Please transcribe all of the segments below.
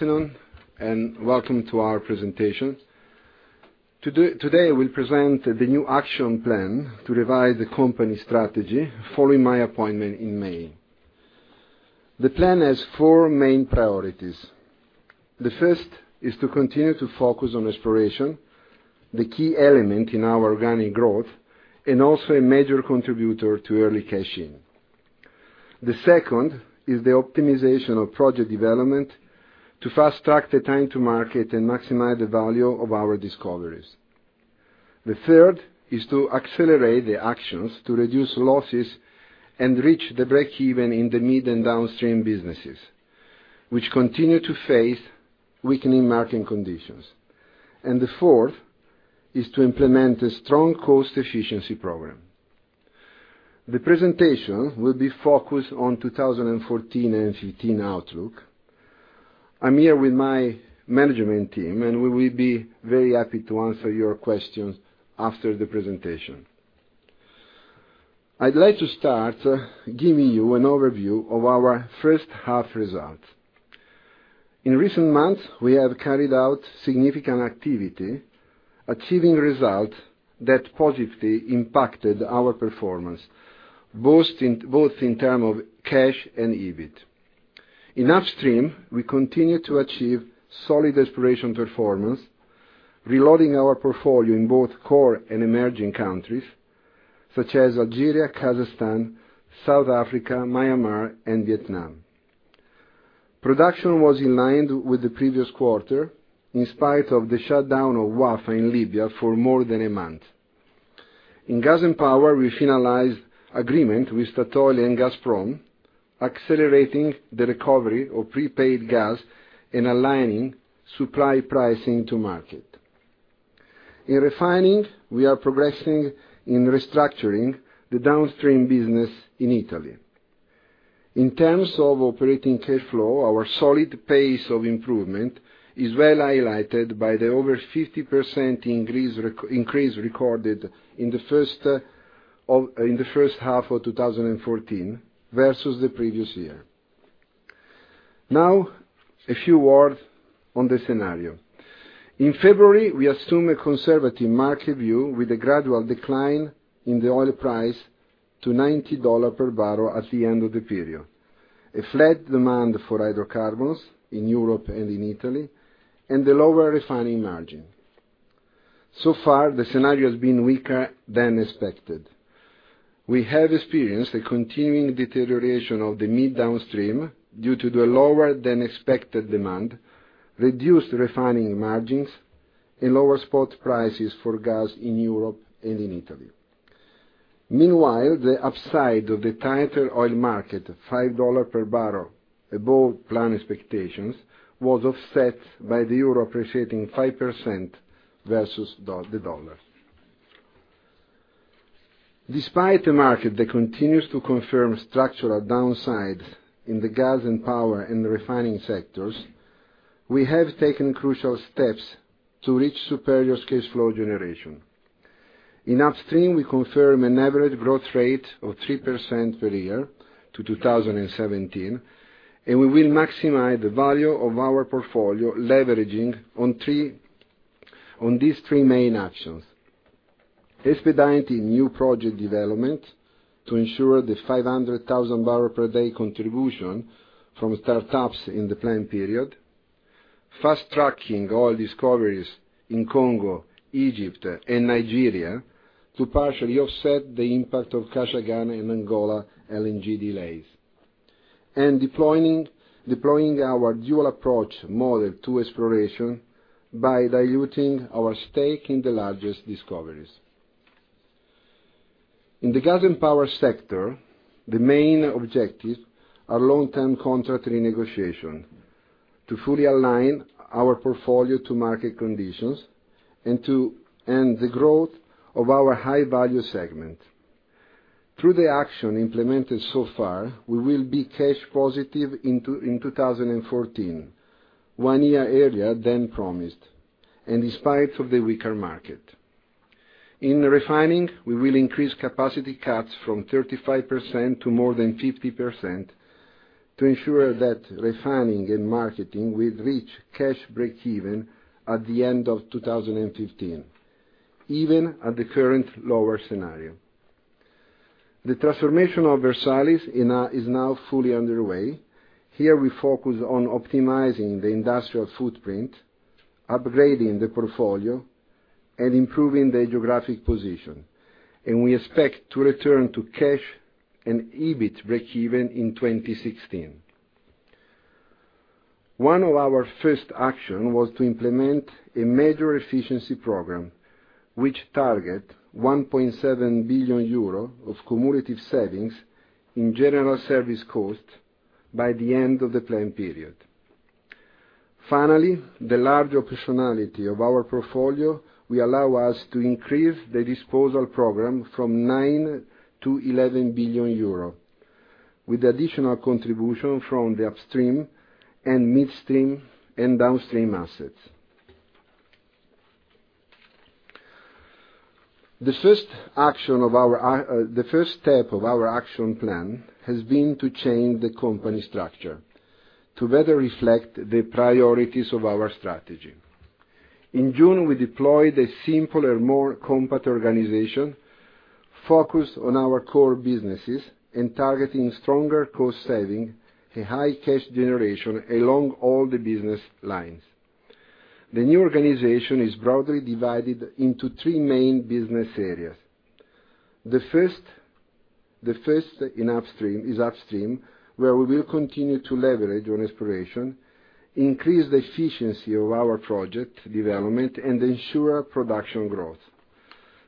Welcome to our presentation. Today, we'll present the new action plan to revise the company strategy following my appointment in May. The plan has four main priorities. The first is to continue to focus on exploration, the key element in our organic growth, and also a major contributor to early cash-in. The second is the optimization of project development to fast-track the time to market and maximize the value of our discoveries. The third is to accelerate the actions to reduce losses and reach the breakeven in the mid and downstream businesses, which continue to face weakening market conditions. The fourth is to implement a strong cost efficiency program. The presentation will be focused on 2014 and 2015 outlook. I'm here with my management team, and we will be very happy to answer your questions after the presentation. I'd like to start giving you an overview of our first half results. In recent months, we have carried out significant activity, achieving results that positively impacted our performance, both in term of cash and EBIT. In upstream, we continue to achieve solid exploration performance, reloading our portfolio in both core and emerging countries, such as Algeria, Kazakhstan, South Africa, Myanmar, and Vietnam. Production was in line with the previous quarter, in spite of the shutdown of Wafa in Libya for more than a month. In gas and power, we finalized agreement with Statoil and Gazprom, accelerating the recovery of prepaid gas and aligning supply pricing to market. In refining, we are progressing in restructuring the downstream business in Italy. In terms of operating cash flow, our solid pace of improvement is well highlighted by the over 50% increase recorded in the first half of 2014 versus the previous year. Now, a few words on the scenario. In February, we assume a conservative market view with a gradual decline in the oil price to $90 per barrel at the end of the period, a flat demand for hydrocarbons in Europe and in Italy, and a lower refining margin. Far, the scenario has been weaker than expected. We have experienced a continuing deterioration of the mid downstream due to the lower-than-expected demand, reduced refining margins, and lower spot prices for gas in Europe and in Italy. Meanwhile, the upside of the tighter oil market, $5 per barrel above plan expectations, was offset by the euro appreciating 5% versus the dollar. Despite the market that continues to confirm structural downsides in the gas and power and the refining sectors, we have taken crucial steps to reach superior cash flow generation. In upstream, we confirm an average growth rate of 3% per year to 2017. We will maximize the value of our portfolio, leveraging on these three main actions. Expediting new project development to ensure the 500,000 barrel per day contribution from startups in the plan period. Fast-tracking oil discoveries in Congo, Egypt, and Nigeria to partially offset the impact of Kashagan and Angola LNG delays. Deploying our dual approach model to exploration by diluting our stake in the largest discoveries. In the gas and power sector, the main objectives are long-term contract renegotiation to fully align our portfolio to market conditions and the growth of our high-value segment. Through the action implemented so far, we will be cash positive in 2014, one year earlier than promised, and in spite of the weaker market. In refining, we will increase capacity cuts from 35% to more than 50% to ensure that refining and marketing will reach cash breakeven at the end of 2015, even at the current lower scenario. The transformation of Versalis is now fully underway. Here we focus on optimizing the industrial footprint, upgrading the portfolio, and improving the geographic position, and we expect to return to cash and EBIT breakeven in 2016. One of our first action was to implement a major efficiency program, which target 1.7 billion euro of cumulative savings in general service cost by the end of the plan period. Finally, the large optionality of our portfolio will allow us to increase the disposal program from nine to 11 billion euro, with additional contribution from the upstream and midstream and downstream assets. The first step of our action plan has been to change the company structure to better reflect the priorities of our strategy. In June, we deployed a simpler and more compact organization focused on our core businesses and targeting stronger cost saving and high cash generation along all the business lines. The new organization is broadly divided into three main business areas. The first is upstream, where we will continue to leverage on exploration, increase the efficiency of our project development, and ensure production growth.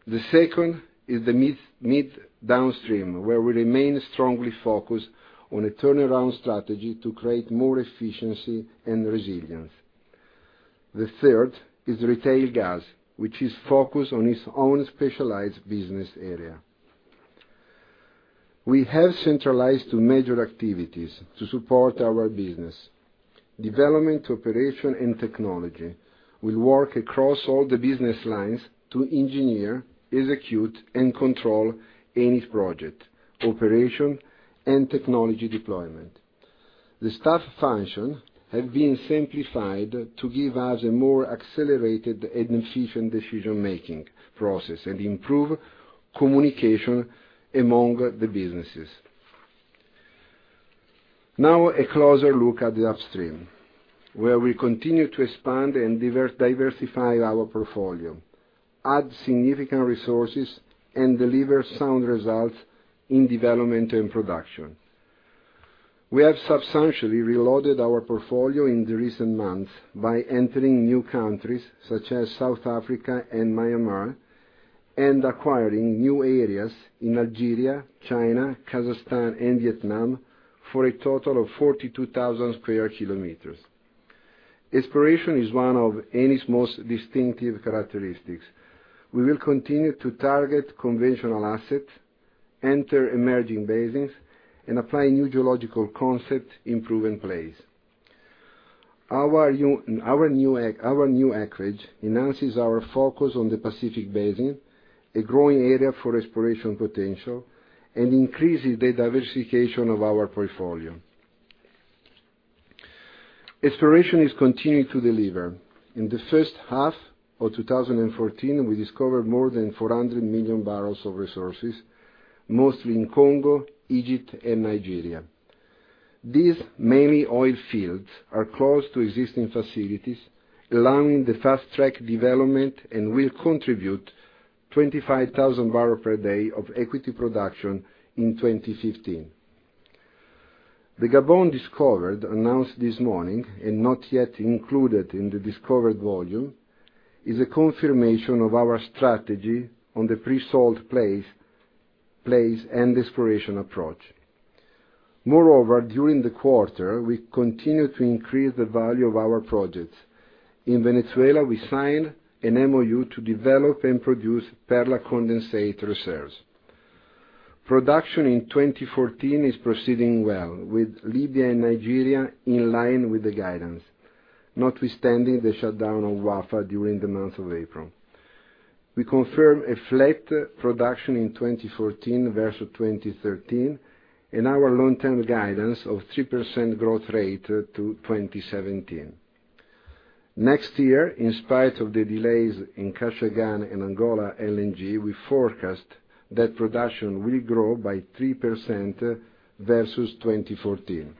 The second is the mid/downstream, where we remain strongly focused on a turnaround strategy to create more efficiency and resilience. The third is retail gas, which is focused on its own specialized business area. We have centralized two major activities to support our business. Development, operation, and technology will work across all the business lines to engineer, execute, and control Eni's project, operation, and technology deployment. The staff function have been simplified to give us a more accelerated and efficient decision-making process and improve communication among the businesses. Now a closer look at the upstream, where we continue to expand and diversify our portfolio, add significant resources, and deliver sound results in development and production. We have substantially reloaded our portfolio in the recent months by entering new countries such as South Africa and Myanmar, and acquiring new areas in Algeria, China, Kazakhstan, and Vietnam for a total of 42,000 square kilometers. Exploration is one of Eni's most distinctive characteristics. We will continue to target conventional assets, enter emerging basins, and apply new geological concepts in proven plays. Our new acreage enhances our focus on the Pacific basin, a growing area for exploration potential, and increases the diversification of our portfolio. Exploration is continuing to deliver. In the first half of 2014, we discovered more than 400 million barrels of resources, mostly in Congo, Egypt, and Nigeria. These mainly oil fields are close to existing facilities, allowing the fast-track development, and will contribute 25,000 barrels per day of equity production in 2015. The Gabon discovery announced this morning, and not yet included in the discovered volume, is a confirmation of our strategy on the pre-salt plays and exploration approach. Moreover, during the quarter, we continued to increase the value of our projects. In Venezuela, we signed an MoU to develop and produce Perla condensate reserves. Production in 2014 is proceeding well, with Libya and Nigeria in line with the guidance, notwithstanding the shutdown of Wafa during the month of April. We confirm a flat production in 2014 versus 2013, and our long-term guidance of 3% growth rate to 2017. Next year, in spite of the delays in Kashagan and Angola LNG, we forecast that production will grow by 3% versus 2014.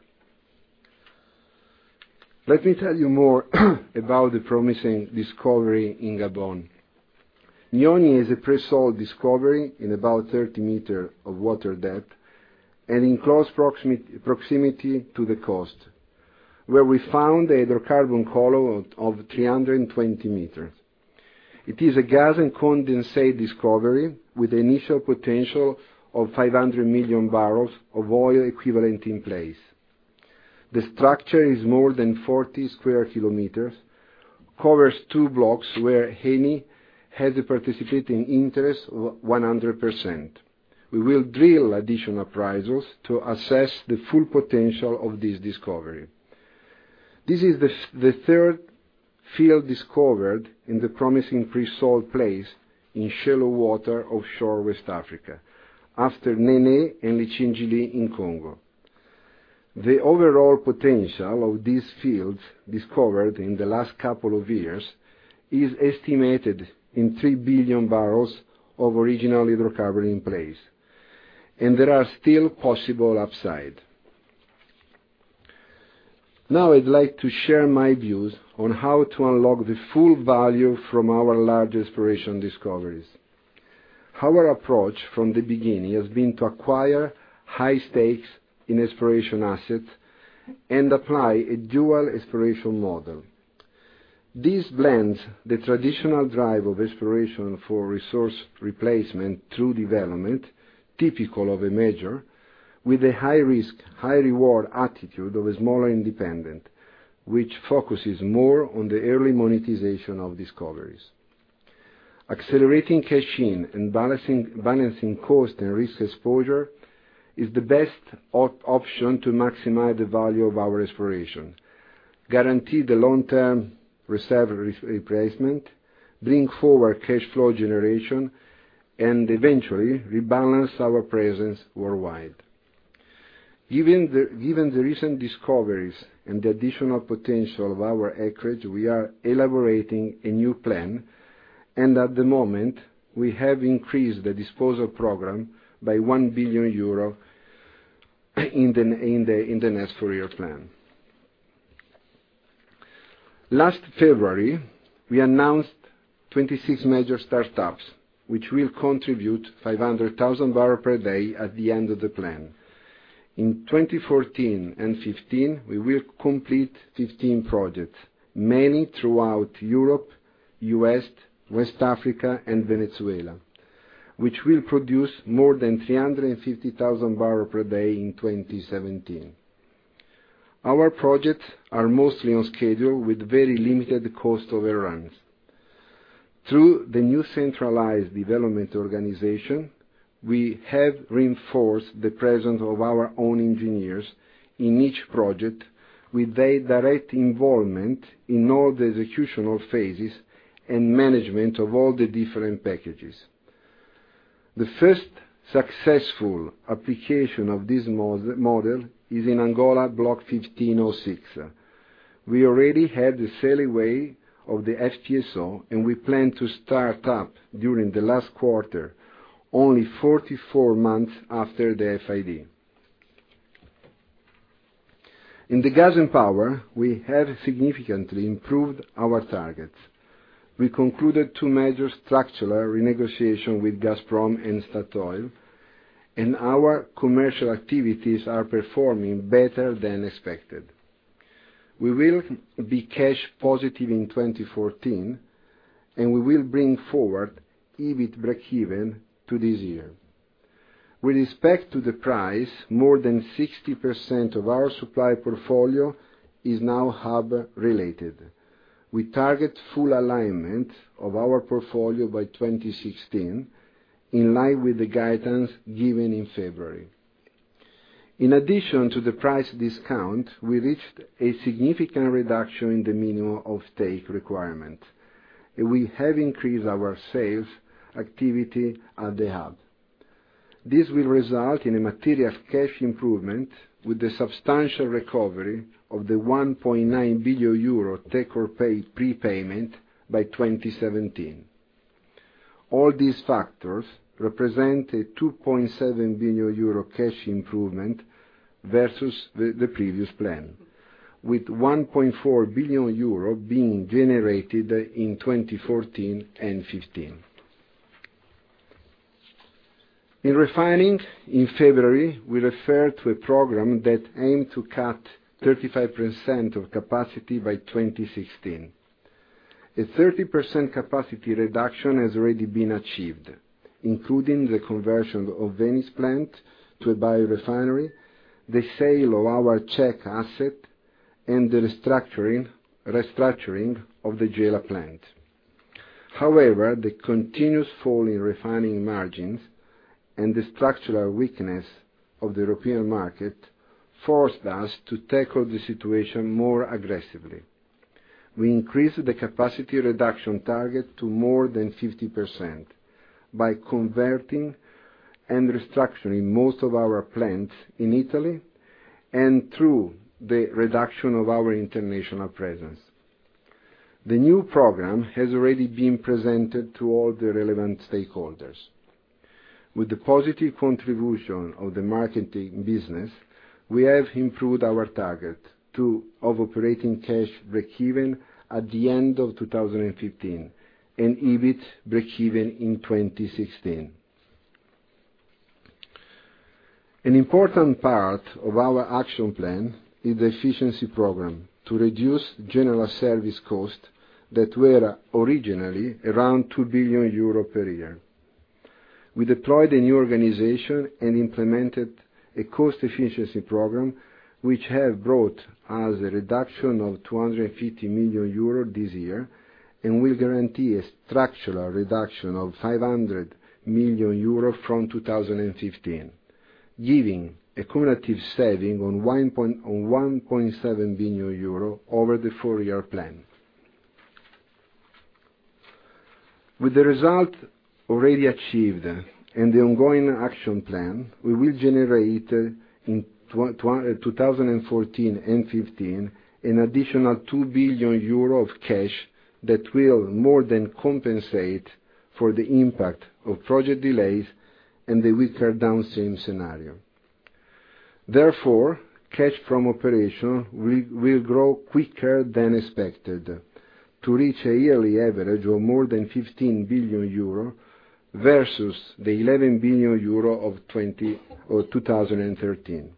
Let me tell you more about the promising discovery in Gabon. Nyonie is a pre-salt discovery in about 30 meters of water depth and in close proximity to the coast, where we found a hydrocarbon column of 320 meters. It is a gas and condensate discovery with initial potential of 500 million barrels of oil equivalent in place. The structure is more than 40 square kilometers, covers two blocks where Eni has a participating interest of 100%. We will drill additional prizes to assess the full potential of this discovery. This is the third field discovered in the promising pre-salt plays in shallow water offshore West Africa, after Nené and Litchendjili in Congo. The overall potential of these fields discovered in the last couple of years is estimated in 3 billion barrels of original hydrocarbon in place, and there are still possible upsides. Now I'd like to share my views on how to unlock the full value from our large exploration discoveries. Our approach from the beginning has been to acquire high stakes in exploration assets and apply a dual exploration model. This blends the traditional drive of exploration for resource replacement through development, typical of a major, with a high-risk, high-reward attitude of a smaller independent, which focuses more on the early monetization of discoveries. Accelerating cash in and balancing cost and risk exposure is the best option to maximize the value of our exploration, guarantee the long-term reserve replacement, bring forward cash flow generation, and eventually rebalance our presence worldwide. Given the recent discoveries and the additional potential of our acreage, we are elaborating a new plan, and at the moment, we have increased the disposal program by 1 billion euro in the next four-year plan. Last February, we announced 26 major startups, which will contribute 500,000 barrels per day at the end of the plan. In 2014 and 2015, we will complete 15 projects, many throughout Europe, U.S., West Africa, and Venezuela, which will produce more than 350,000 barrels per day in 2017. Our projects are mostly on schedule with very limited cost overruns. Through the new centralized development organization, we have reinforced the presence of our own engineers in each project with a direct involvement in all the executional phases and management of all the different packages. The first successful application of this model is in Angola Block 15/06. We already have the sail away of the FPSO, and we plan to start up during the last quarter, only 44 months after the FID. In the gas and power, we have significantly improved our targets. We concluded two major structural renegotiation with Gazprom and Statoil, and our commercial activities are performing better than expected. We will be cash positive in 2014, and we will bring forward EBIT breakeven to this year. With respect to the price, more than 60% of our supply portfolio is now hub related. We target full alignment of our portfolio by 2016 in line with the guidance given in February. In addition to the price discount, we reached a significant reduction in the minimum take requirement. We have increased our sales activity at the hub. This will result in a material cash improvement with the substantial recovery of the 1.9 billion euro take-or-pay prepayment by 2017. All these factors represent a 2.7 billion euro cash improvement versus the previous plan, with 1.4 billion euro being generated in 2014 and 2015. In refining, in February, we referred to a program that aimed to cut 35% of capacity by 2016. A 30% capacity reduction has already been achieved, including the conversion of Venice plant to a biorefinery, the sale of our Czech asset, and the restructuring of the Gela plant. The continuous fall in refining margins and the structural weakness of the European market forced us to tackle the situation more aggressively. We increased the capacity reduction target to more than 50% by converting and restructuring most of our plants in Italy and through the reduction of our international presence. The new program has already been presented to all the relevant stakeholders. With the positive contribution of the marketing business, we have improved our target of operating cash breakeven at the end of 2015 and EBIT breakeven in 2016. An important part of our action plan is the efficiency program to reduce general service cost that were originally around 2 billion euro per year. We deployed a new organization and implemented a cost efficiency program which have brought us a reduction of 250 million euro this year and will guarantee a structural reduction of 500 million euro from 2015, giving a cumulative saving on 1.7 billion euro over the four-year plan. With the result already achieved and the ongoing action plan, we will generate in 2014 and 2015 an additional 2 billion euro of cash that will more than compensate for the impact of project delays and the weaker downstream scenario. Cash from operation will grow quicker than expected to reach a yearly average of more than 15 billion euro versus the 11 billion euro of 2013.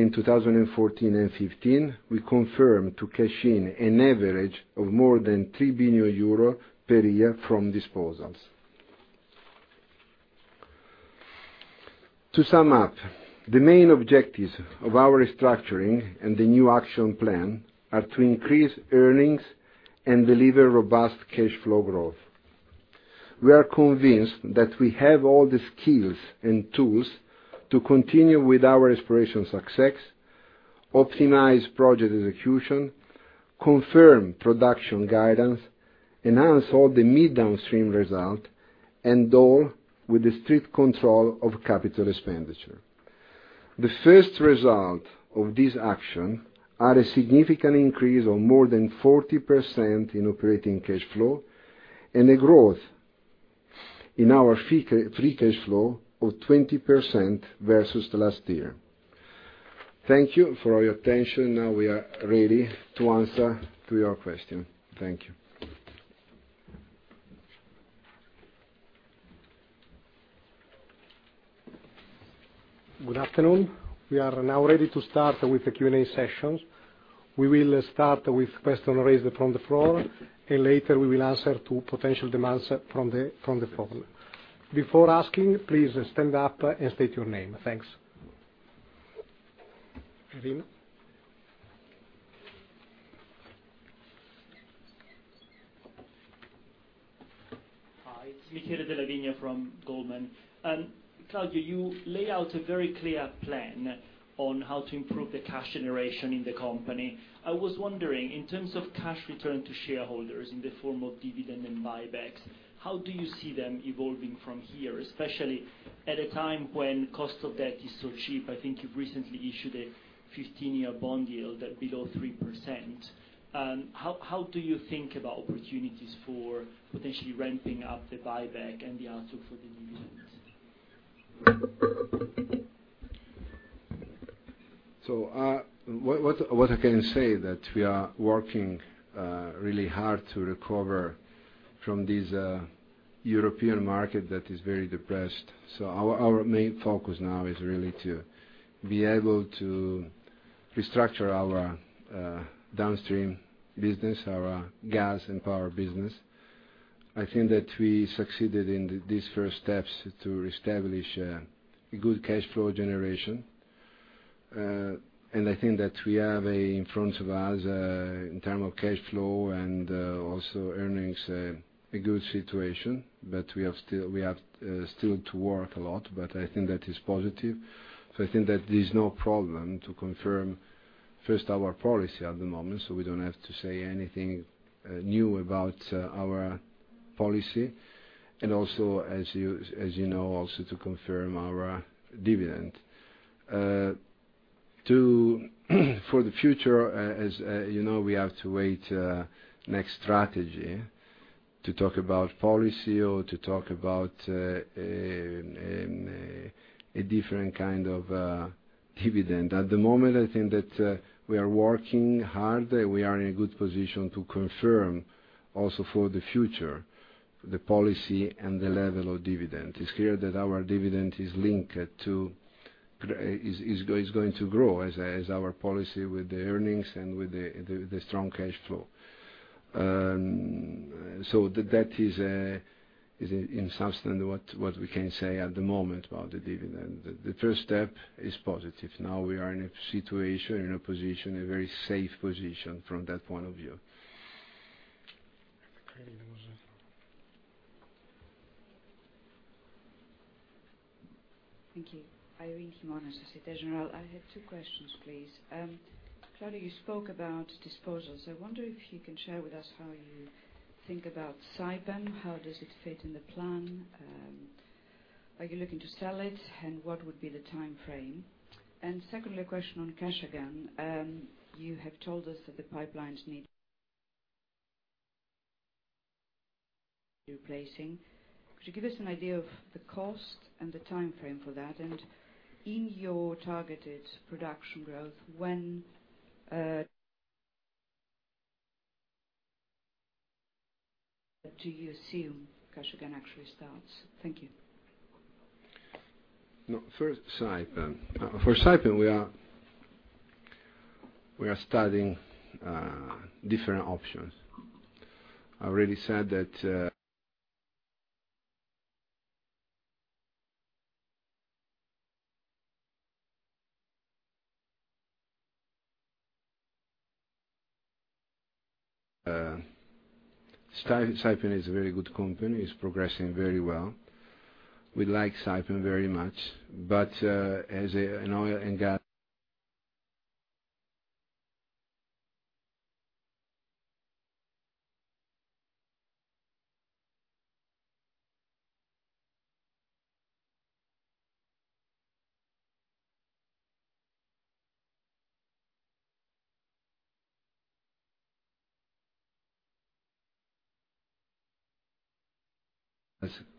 In 2014 and 2015, we confirm to cash in an average of more than 3 billion euro per year from disposals. To sum up, the main objectives of our restructuring and the new action plan are to increase earnings and deliver robust cash flow growth. We are convinced that we have all the skills and tools to continue with our exploration success, optimize project execution, confirm production guidance, enhance all the midstream result, and all with the strict control of capital expenditure. The first result of this action are a significant increase of more than 40% in operating cash flow, and a growth in our free cash flow of 20% versus the last year. Thank you for your attention. Now we are ready to answer to your question. Thank you. Good afternoon. We are now ready to start with the Q&A sessions. We will start with question raised from the floor, and later we will answer to potential demands from the platform. Before asking, please stand up and state your name. Thanks. Irene? Hi, it's Michele Della Vigna from Goldman. Claudio, you laid out a very clear plan on how to improve the cash generation in the company. I was wondering, in terms of cash return to shareholders in the form of dividend and buybacks, how do you see them evolving from here, especially at a time when cost of debt is so cheap? I think you've recently issued a 15-year bond yield at below 3%. How do you think about opportunities for potentially ramping up the buyback and the answer for the dividends? What I can say that we are working really hard to recover from this European market that is very depressed. Our main focus now is really to be able to restructure our downstream business, our gas and power business. I think that we succeeded in these first steps to reestablish a good cash flow generation. I think that we have in front of us, in term of cash flow and also earnings, a good situation. We have still to work a lot, but I think that is positive. I think that there's no problem to confirm first our policy at the moment, we don't have to say anything new about our policy. Also, as you know, also to confirm our dividend. For the future, as you know, we have to wait next strategy to talk about policy or to talk about a different kind of dividend. At the moment, I think that we are working hard, we are in a good position to confirm also for the future, the policy and the level of dividend. It's clear that our dividend is going to grow as our policy with the earnings and with the strong cash flow. That is in substance what we can say at the moment about the dividend. The first step is positive. Now we are in a situation, in a position, a very safe position from that point of view. Irene, it was last. Thank you. Irene Himona, Societe Generale. I have two questions, please. Claudio, you spoke about disposals. I wonder if you can share with us how you think about Saipem. How does it fit in the plan? Are you looking to sell it? What would be the timeframe? Secondly, a question on Kashagan. You have told us that the pipelines need replacing. Could you give us an idea of the cost and the timeframe for that, and in your targeted production growth, when do you assume Kashagan actually starts? Thank you. No. First, Saipem. For Saipem, we are studying different options. I already said that Saipem is a very good company, it's progressing very well. We like Saipem very much. As an oil and gas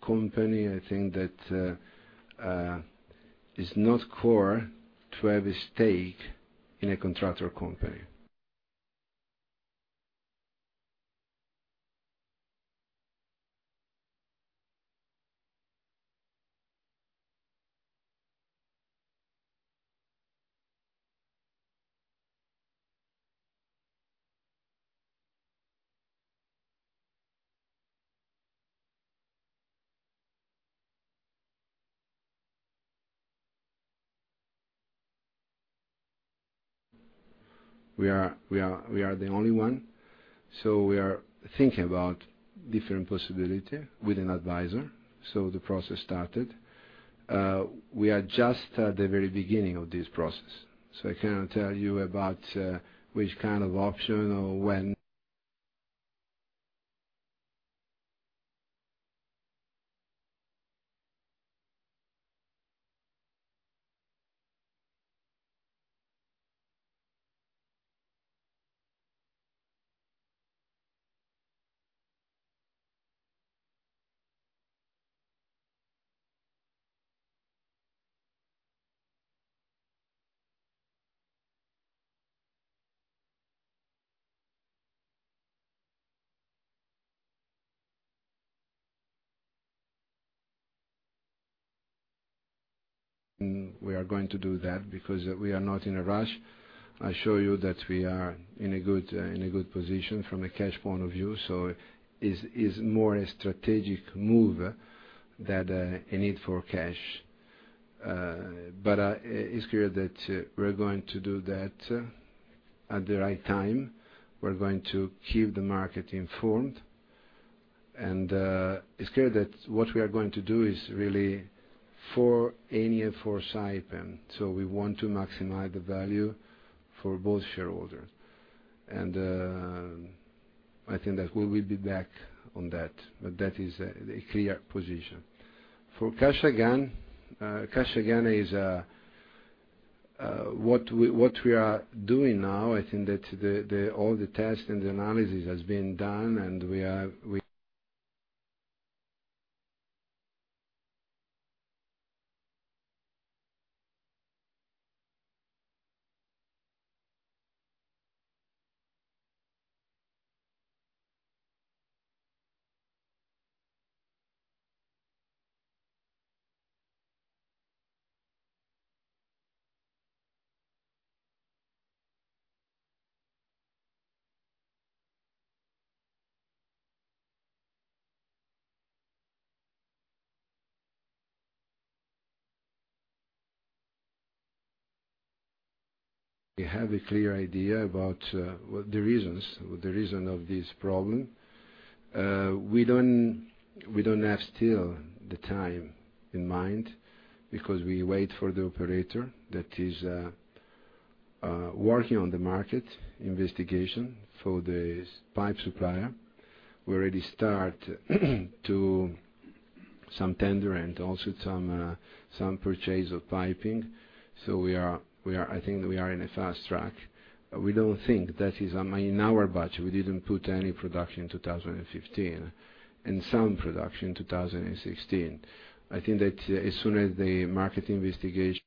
company, I think that it's not core to have a stake in a contractor company. We are the only one. We are thinking about different possibility with an advisor. The process started. We are just at the very beginning of this process, so I cannot tell you about which kind of option or when. We are going to do that because we are not in a rush. I assure you that we are in a good position from a cash point of view, so it's more a strategic move than a need for cash. It's clear that we're going to do that at the right time. We're going to keep the market informed. It's clear that what we are going to do is really for Eni and for Saipem. We want to maximize the value for both shareholders. I think that we will be back on that, but that is a clear position. For Kashagan is what we are doing now. I think that all the tests and the analysis has been done, and we have a clear idea about what the reason of this problem. We don't have still the time in mind because we wait for the operator that is working on the market investigation for the pipe supplier. We already start some tender and also some purchase of piping. I think we are in a fast track. We don't think that is on in our budget. We didn't put any production in 2015 and some production 2016. I think that as soon as the market investigation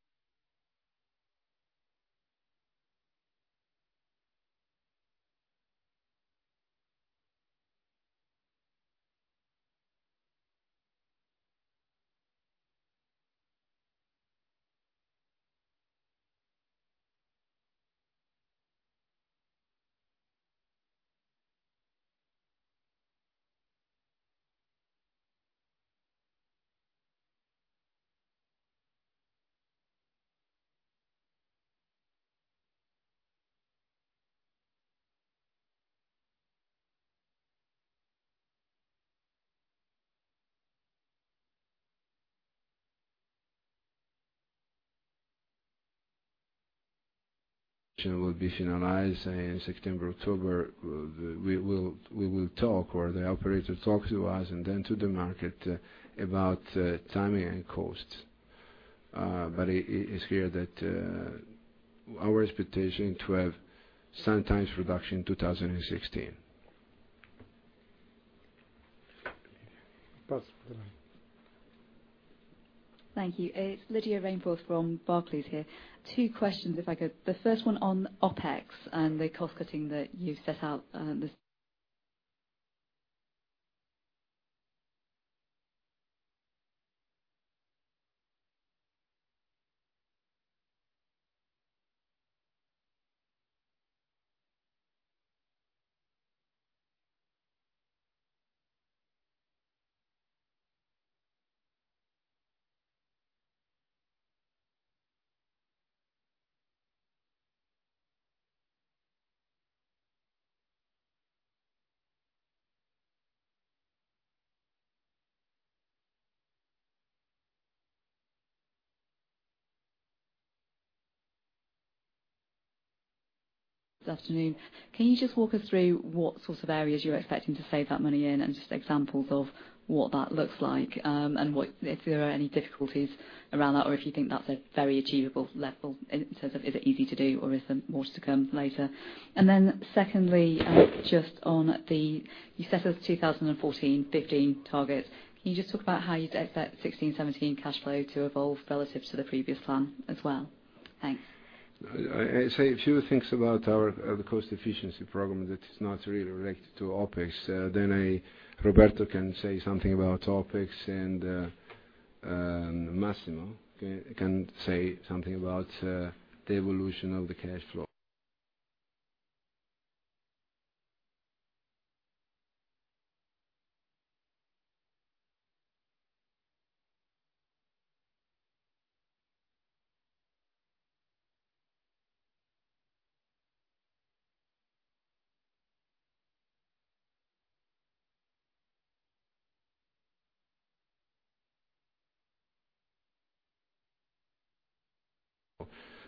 will be finalized in September, October, we will talk, or the operator talks to us and then to the market about timing and costs. It's clear that our expectation to have sometimes production 2016. Pass. Thank you. It's Lydia Rainforth from Barclays here. Two questions if I could. The first one on OpEx and the cost-cutting that you've set out this afternoon. Can you just walk us through what sorts of areas you're expecting to save that money in, and just examples of what that looks like? If there are any difficulties around that, or if you think that's a very achievable level in terms of is it easy to do or is there more to come later? Secondly, just on the, you set us 2014, 2015 targets. Can you just talk about how you'd expect 2016, 2017 cash flow to evolve relative to the previous plan as well? Thanks. I say a few things about our cost efficiency program that is not really related to OpEx. Roberto can say something about OpEx, and Massimo can say something about the evolution of the cash flow.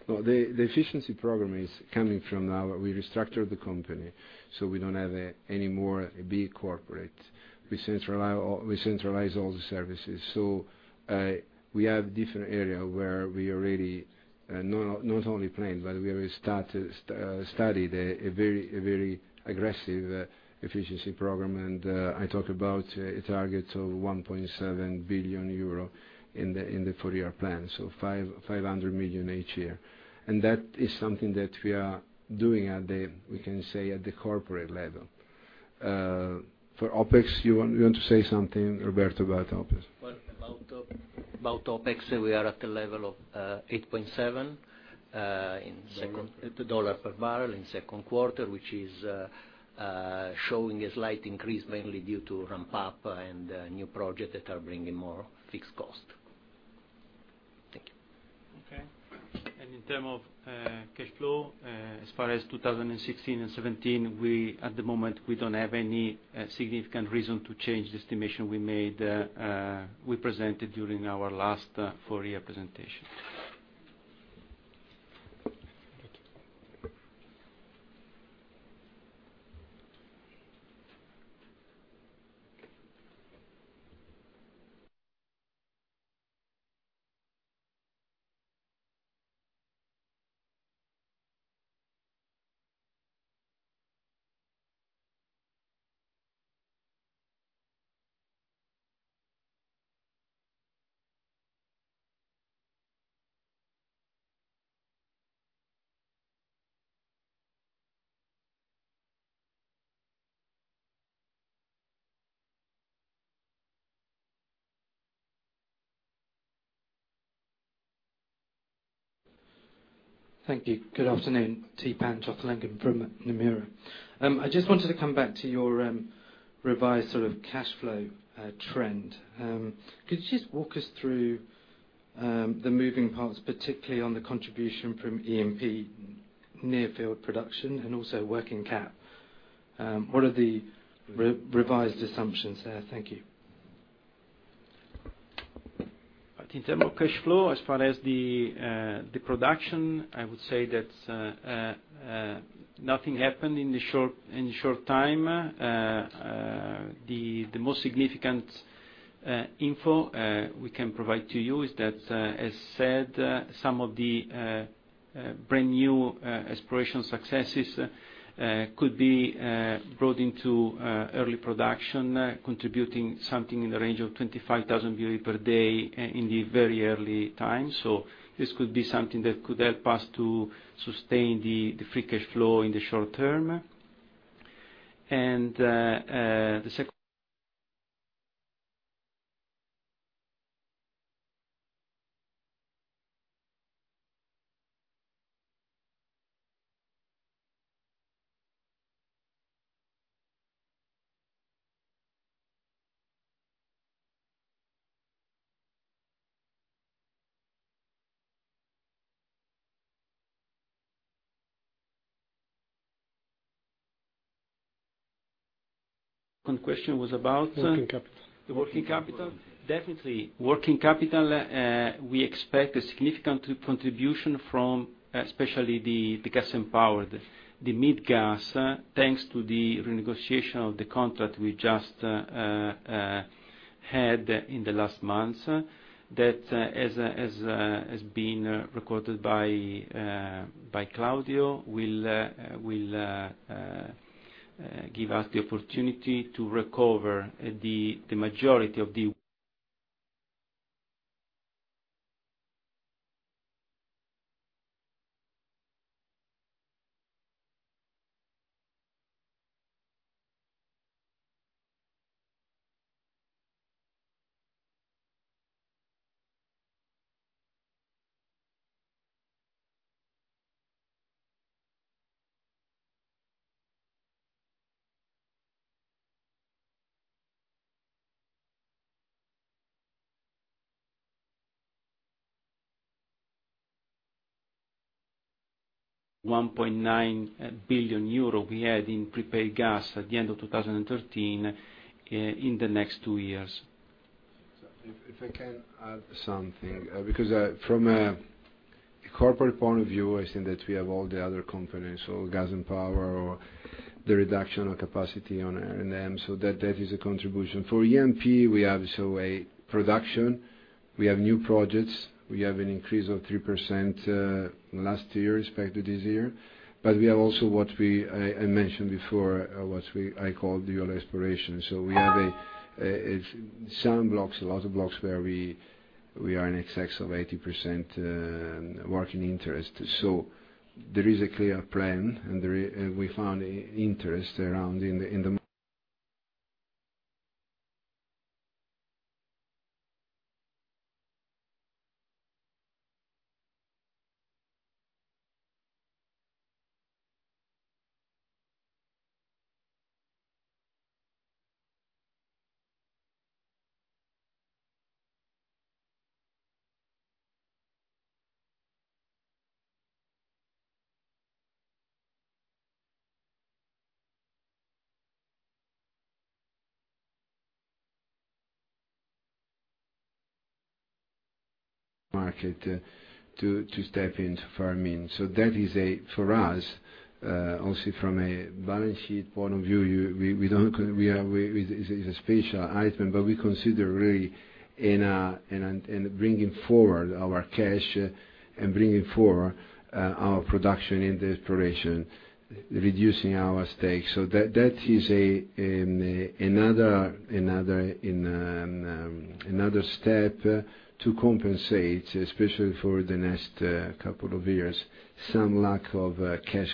The efficiency program is coming from now that we restructured the company, so we don't have any more big corporate. We centralize all the services. We have different areas where we already, not only planned, but we have studied a very aggressive efficiency program, and I talk about a target of 1.7 billion euro in the four-year plan. 500 million each year. That is something that we are doing, we can say, at the corporate level. For OpEx, you want to say something, Roberto, about OpEx? About OpEx, we are at the level of $8.70 per barrel in second quarter, which is showing a slight increase mainly due to ramp up and new projects that are bringing more fixed cost. Thank you. Okay. In terms of cash flow, as far as 2016 and 2017, at the moment, we don't have any significant reason to change the estimation we presented during our last four-year presentation. Thank you. Thank you. Good afternoon. Theepan Jothilingam from Nomura. I just wanted to come back to your revised cash flow trend. Could you just walk us through the moving parts, particularly on the contribution from E&P near field production and also working cap? What are the revised assumptions there? Thank you. In terms of cash flow, as far as the production, I would say that nothing happened in the short time. The most significant info we can provide to you is that, as said, some of the brand-new exploration successes could be brought into early production, contributing something in the range of 25,000 barrels per day in the very early time. This could be something that could help us to sustain the free cash flow in the short term. The second question was about- Working capital The working capital. Definitely. Working capital, we expect a significant contribution from especially the gas and power, the mid gas, thanks to the renegotiation of the contract we just had in the last months that, as being recorded by Claudio, will give us the opportunity to recover the majority of the 1.9 billion euro we had in prepaid gas at the end of 2013, in the next two years. If I can add something, because from a corporate point of view, I think that we have all the other companies, so gas and power or the reduction of capacity on R&M. That is a contribution. For E&P, we have a production, we have new projects, we have an increase of 3% last year expected this year. We have also what I mentioned before, what I call the oil exploration. We have some blocks, a lot of blocks where we are in excess of 80% working interest. There is a clear plan, and we found interest around in the market to step into Farim. That is, for us, also from a balance sheet point of view, it's a special item, but we consider really in bringing forward our cash and bringing forward our production in the exploration, reducing our stake. That is another step to compensate, especially for the next couple of years, some lack of cash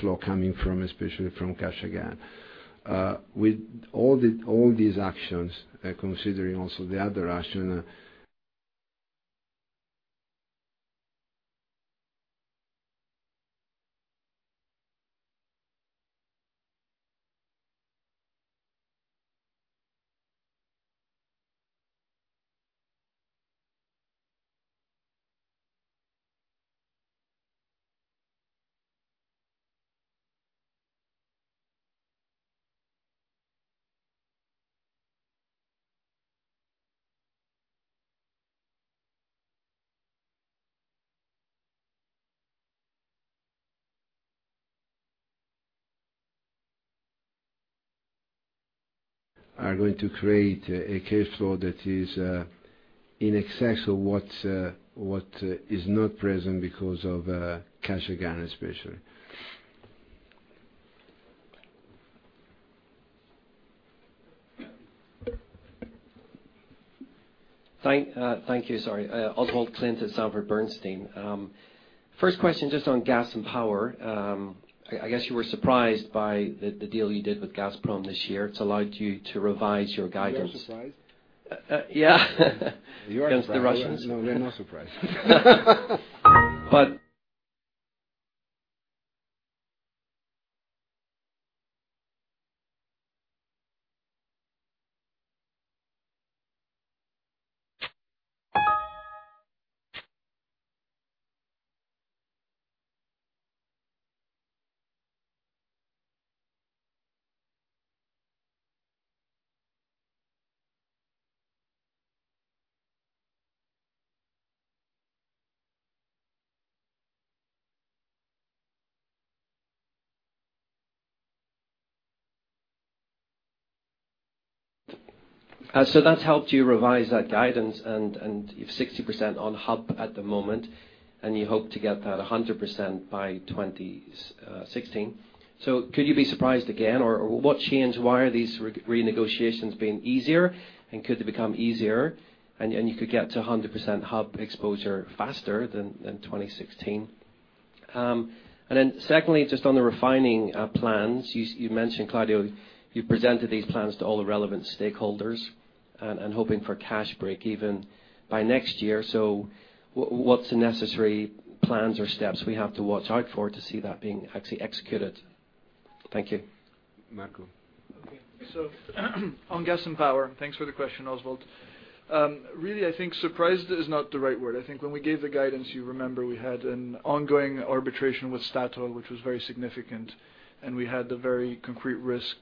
flow coming from, especially from Kashagan. With all these actions, considering also the other action are going to create a cash flow that is in excess of what is not present because of Kashagan, especially. Thank you. Sorry. Oswald Clint at Sanford Bernstein. First question, just on gas and power. I guess you were surprised by the deal you did with Gazprom this year. It's allowed you to revise your guidance. Were you surprised? Yeah. You are surprised. Against the Russians. No, they're no surprise. That's helped you revise that guidance, and you've 60% on hub at the moment, and you hope to get that 100% by 2016. Could you be surprised again? What changed? Why are these renegotiations being easier, and could they become easier, and you could get to 100% hub exposure faster than 2016? Secondly, just on the refining plans, you mentioned, Claudio, you presented these plans to all the relevant stakeholders and hoping for cash break even by next year. What's the necessary plans or steps we have to watch out for to see that being actually executed? Thank you. Marco. Okay. On gas and power. Thanks for the question, Oswald. Really, I think surprised is not the right word. I think when we gave the guidance, you remember we had an ongoing arbitration with Statoil, which was very significant, and we had a very concrete risk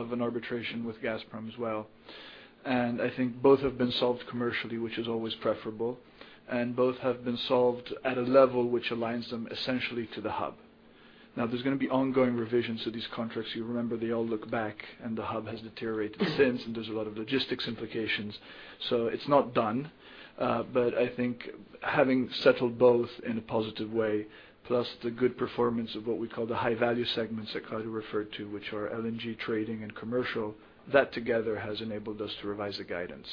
of an arbitration with Gazprom as well. I think both have been solved commercially, which is always preferable, and both have been solved at a level which aligns them essentially to the hub. There's going to be ongoing revisions to these contracts. You remember they all look back, and the hub has deteriorated since, and there's a lot of logistics implications. It's not done. I think having settled both in a positive way, plus the good performance of what we call the high value segments that Claudio referred to, which are LNG trading and commercial, that together has enabled us to revise the guidance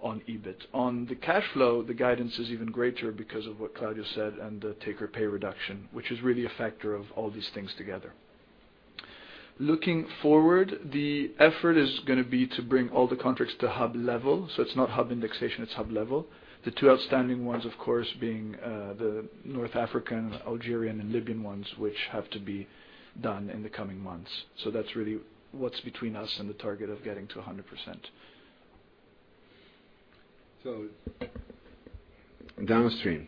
on EBIT. On the cash flow, the guidance is even greater because of what Claudio said and the take-or-pay reduction, which is really a factor of all these things together. Looking forward, the effort is going to be to bring all the contracts to hub level. It's not hub indexation, it's hub level. The two outstanding ones, of course, being the North African, Algerian and Libyan ones, which have to be done in the coming months. That's really what's between us and the target of getting to 100%. downstream,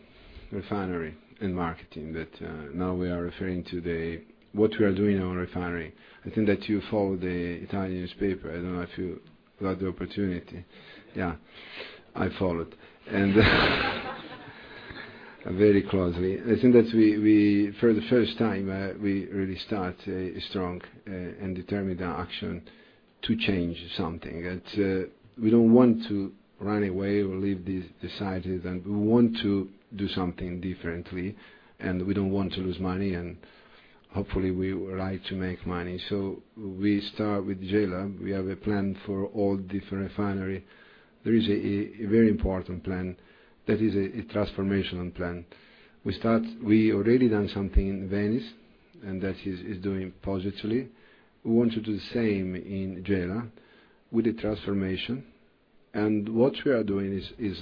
Refining & Marketing that now we are referring to what we are doing in our refinery. You followed the Italian newspaper. I don't know if you got the opportunity. Yeah, I followed. Very closely. For the first time, we really start strong and determined action to change something. We don't want to run away or leave this decided, and we want to do something differently, and we don't want to lose money, and hopefully we would like to make money. We start with Gela. We have a plan for all different refineries. There is a very important plan that is a transformational plan. We already did something in Venice, and that is doing positively. We want to do the same in Gela with the transformation. What we are doing is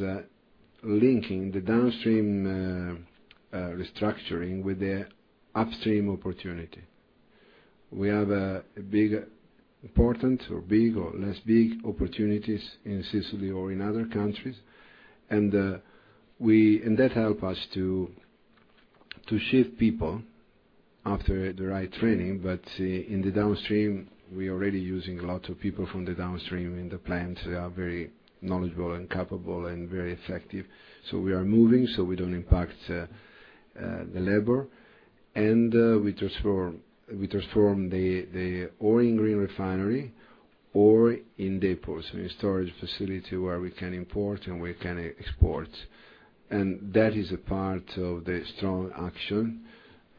linking the Refining & Marketing restructuring with the E&P opportunity. We have an important, big, or less big opportunities in Sicily or in other countries, and that helps us to shift people after the right training. In the Refining & Marketing, we are already using a lot of people from the Refining & Marketing in the plants. They are very knowledgeable and capable and very effective. We are moving, so we don't impact the labor. We transform the oil in biorefinery or in depots, in a storage facility where we can import, and we can export. That is a part of the strong action.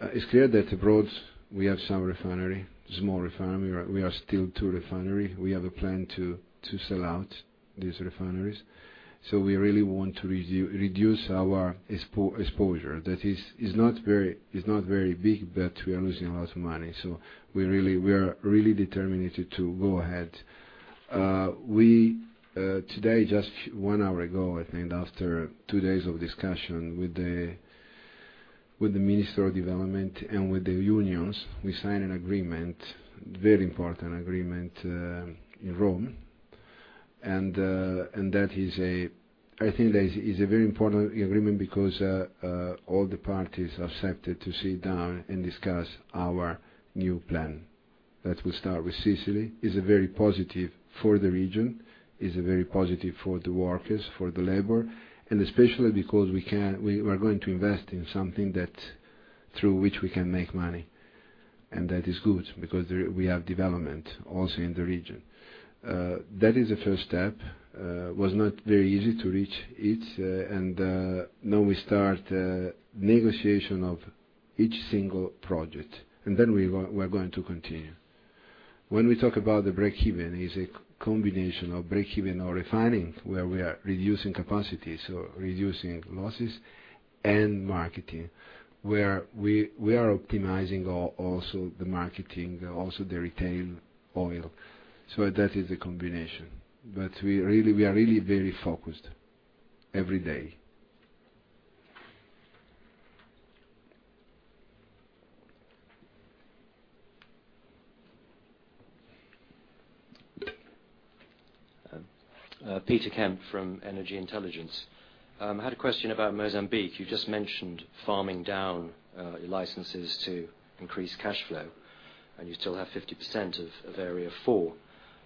It is clear that abroad, we have some refineries, small refineries. We still have two refineries. We have a plan to sell out these refineries. We really want to reduce our exposure. It is not very big, but we are losing a lot of money. We are really determined to go ahead. Today, just one hour ago, I think, after 2 days of discussion with the Minister of Economic Development and with the unions, we signed an agreement, very important agreement, in Rome. It is a very important agreement because all the parties accepted to sit down and discuss our new plan. It will start with Sicily. It is very positive for the region, it is very positive for the workers, for the labor, and especially because we are going to invest in something through which we can make money. That is good because we have development also in the region. That is the first step. It was not very easy to reach it. Now we start negotiation of each single project. Then we are going to continue. When we talk about the break-even, it is a combination of break-even on Refining, where we are reducing capacity, reducing losses, and Marketing, where we are optimizing the Marketing, also the retail oil. That is a combination. We are really very focused every day. Peter Kemp from Energy Intelligence. I had a question about Mozambique. You just mentioned farming down your licenses to increase cash flow, and you still have 50% of Area 4.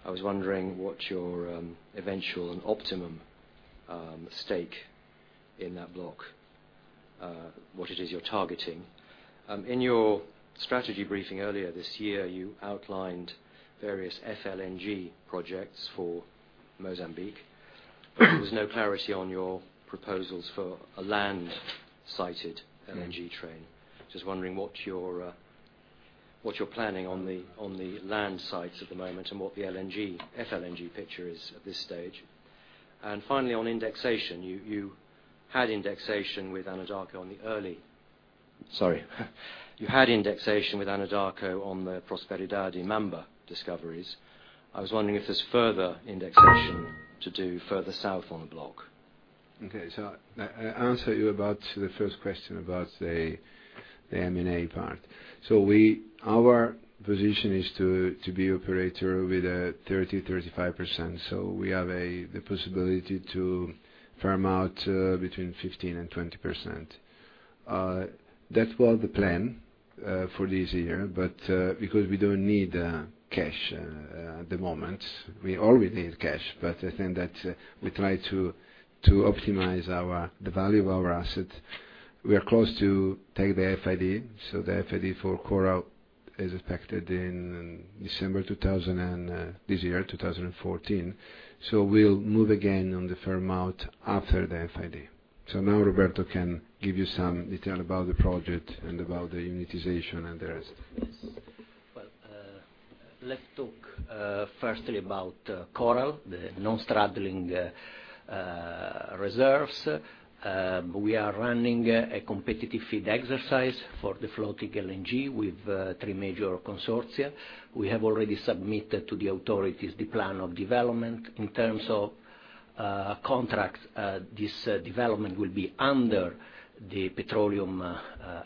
I was wondering what your eventual and optimum stake in that block, what it is you're targeting. In your strategy briefing earlier this year, you outlined various FLNG projects for Mozambique. There was no clarity on your proposals for a land-sited LNG train. Just wondering what you're planning on the land sites at the moment and what the FLNG picture is at this stage. Finally, on indexation, you had indexation with Anadarko on the Prosperidade and Mamba discoveries. I was wondering if there's further indexation to do further south on the block. Okay. I answer you about the first question about the M&A part. Our position is to be operator with a 30%, 35%. We have the possibility to farm out between 15% and 20%. That was the plan for this year. Because we don't need cash at the moment, we always need cash, but I think that we try to optimize the value of our asset. We are close to take the FID. The FID for Coral is expected in December this year, 2014. We'll move again on the farm out after the FID. Now Roberto can give you some detail about the project and about the unitization and the rest. Yes. Well, let's talk firstly about Coral, the non-straddling reserves. We are running a competitive FID exercise for the floating LNG with 3 major consortia. We have already submitted to the authorities the plan of development in terms of Contract, this development will be under the petroleum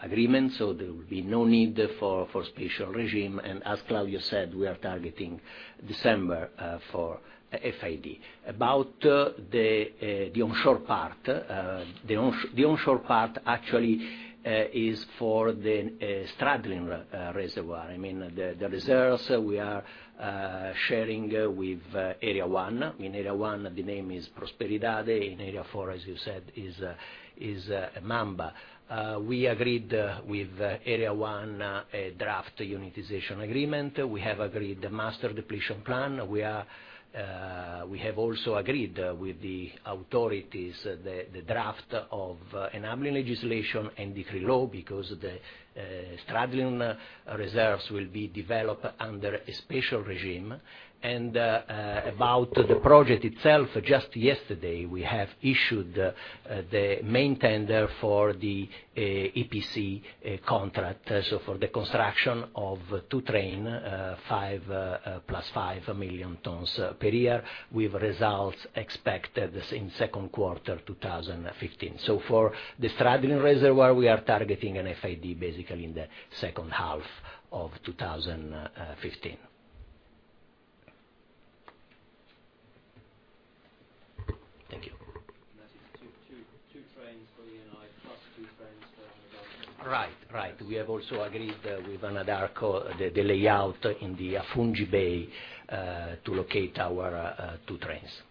agreement, there will be no need for special regime. As Claudio said, we are targeting December for FID. About the onshore part, the onshore part actually is for the Straddling reservoir. I mean, the reserves we are sharing with Area 1. In Area 1, the name is Prosperidade. In Area 4, as you said, is Mamba. We agreed with Area 1 a draft unitization agreement. We have agreed the master depletion plan. We have also agreed with the authorities, the draft of enabling legislation and decree law because the Straddling reserves will be developed under a special regime. About the project itself, just yesterday, we have issued the main tender for the EPC contract, for the construction of 2 train, 5 plus 5 million tons per year with results expected in second quarter 2015. For the Straddling reservoir, we are targeting an FID basically in the second half of 2015. Thank you. That is two trains for Eni, plus two trains for Anadarko. Right. We have also agreed with Anadarko, the layout in the Afungi Bay, to locate our two trains.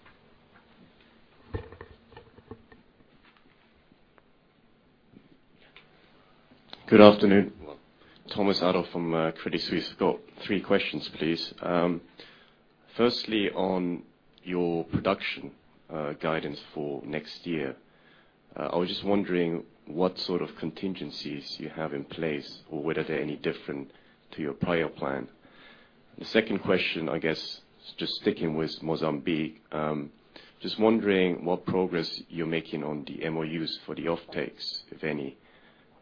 Good afternoon. Thomas Adolff from Credit Suisse. I've got three questions, please. Firstly, on your production guidance for next year, I was just wondering what sort of contingencies you have in place or whether they're any different to your prior plan? The second question, I guess, just sticking with Mozambique, just wondering what progress you're making on the MOUs for the offtakes, if any,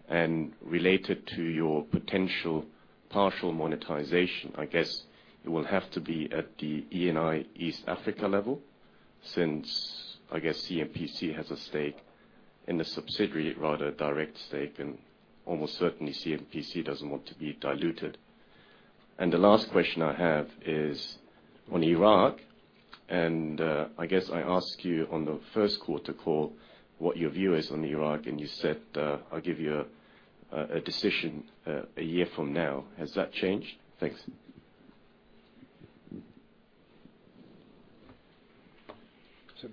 and related to your potential partial monetization, I guess it will have to be at the Eni East Africa level since, I guess CNPC has a stake in the subsidiary, rather direct stake, and almost certainly CNPC doesn't want to be diluted. The last question I have is on Iraq, and, I guess I asked you on the first quarter call what your view is on Iraq, and you said, "I'll give you a decision a year from now." Has that changed? Thanks.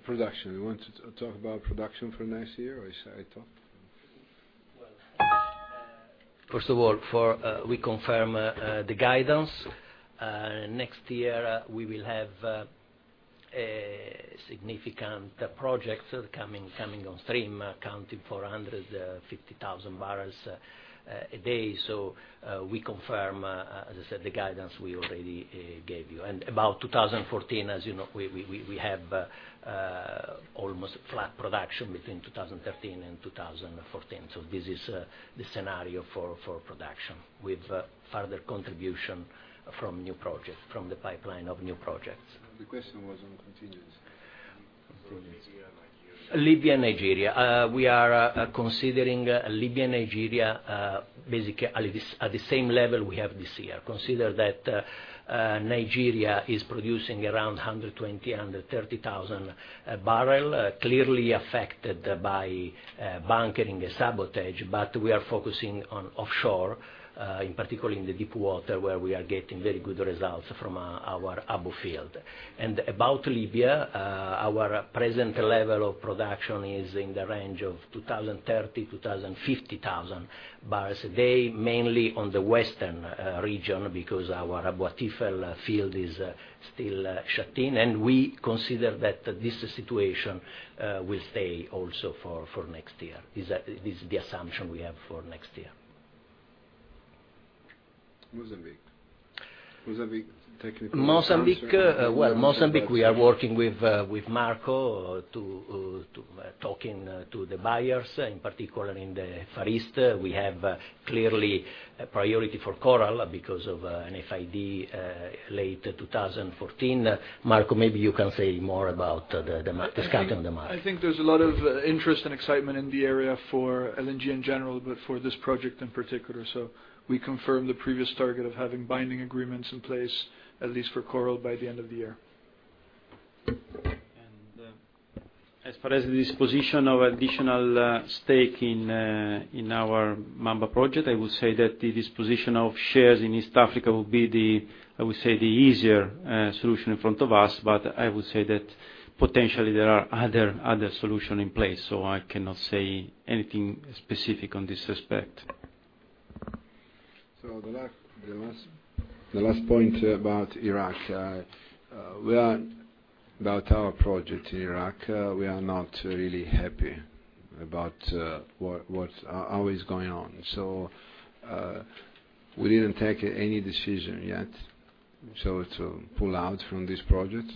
Production. You want to talk about production for next year, or I talk? First of all, we confirm the guidance. Next year, we will have significant projects coming on stream accounting for 150,000 barrels a day. We confirm, as I said, the guidance we already gave you. About 2014, as you know, we have almost flat production between 2013 and 2014. This is the scenario for production with further contribution from new projects, from the pipeline of new projects. The question was on contingency. For Libya, Nigeria. Libya, Nigeria. We are considering Libya, Nigeria, basically at the same level we have this year. Consider that Nigeria is producing around 120,000, 130,000 barrel, clearly affected by bunkering and sabotage, but we are focusing on offshore, in particular in the deep water where we are getting very good results from our Abo field. About Libya, our present level of production is in the range of 230,000, 250,000 barrels a day, mainly on the western region because our Wafa field is still shut in. We consider that this situation will stay also for next year. This is the assumption we have for next year. Mozambique. Mozambique technical answer. Mozambique, well, Mozambique, we are working with Marco to talking to the buyers, in particular in the Far East. We have clearly a priority for Coral because of an FID, late 2014. Marco, maybe you can say more about the scope and the market. I think there's a lot of interest and excitement in the area for LNG in general, but for this project in particular. We confirm the previous target of having binding agreements in place, at least for Coral by the end of the year. As far as the disposition of additional stake in our Mamba project, I would say that the disposition of shares in East Africa will be the, I would say, the easier solution in front of us, but I would say that potentially there are other solution in place, I cannot say anything specific on this respect. The last point about Iraq. About our project in Iraq, we are not really happy about what's always going on. We didn't take any decision yet. To pull out from this project,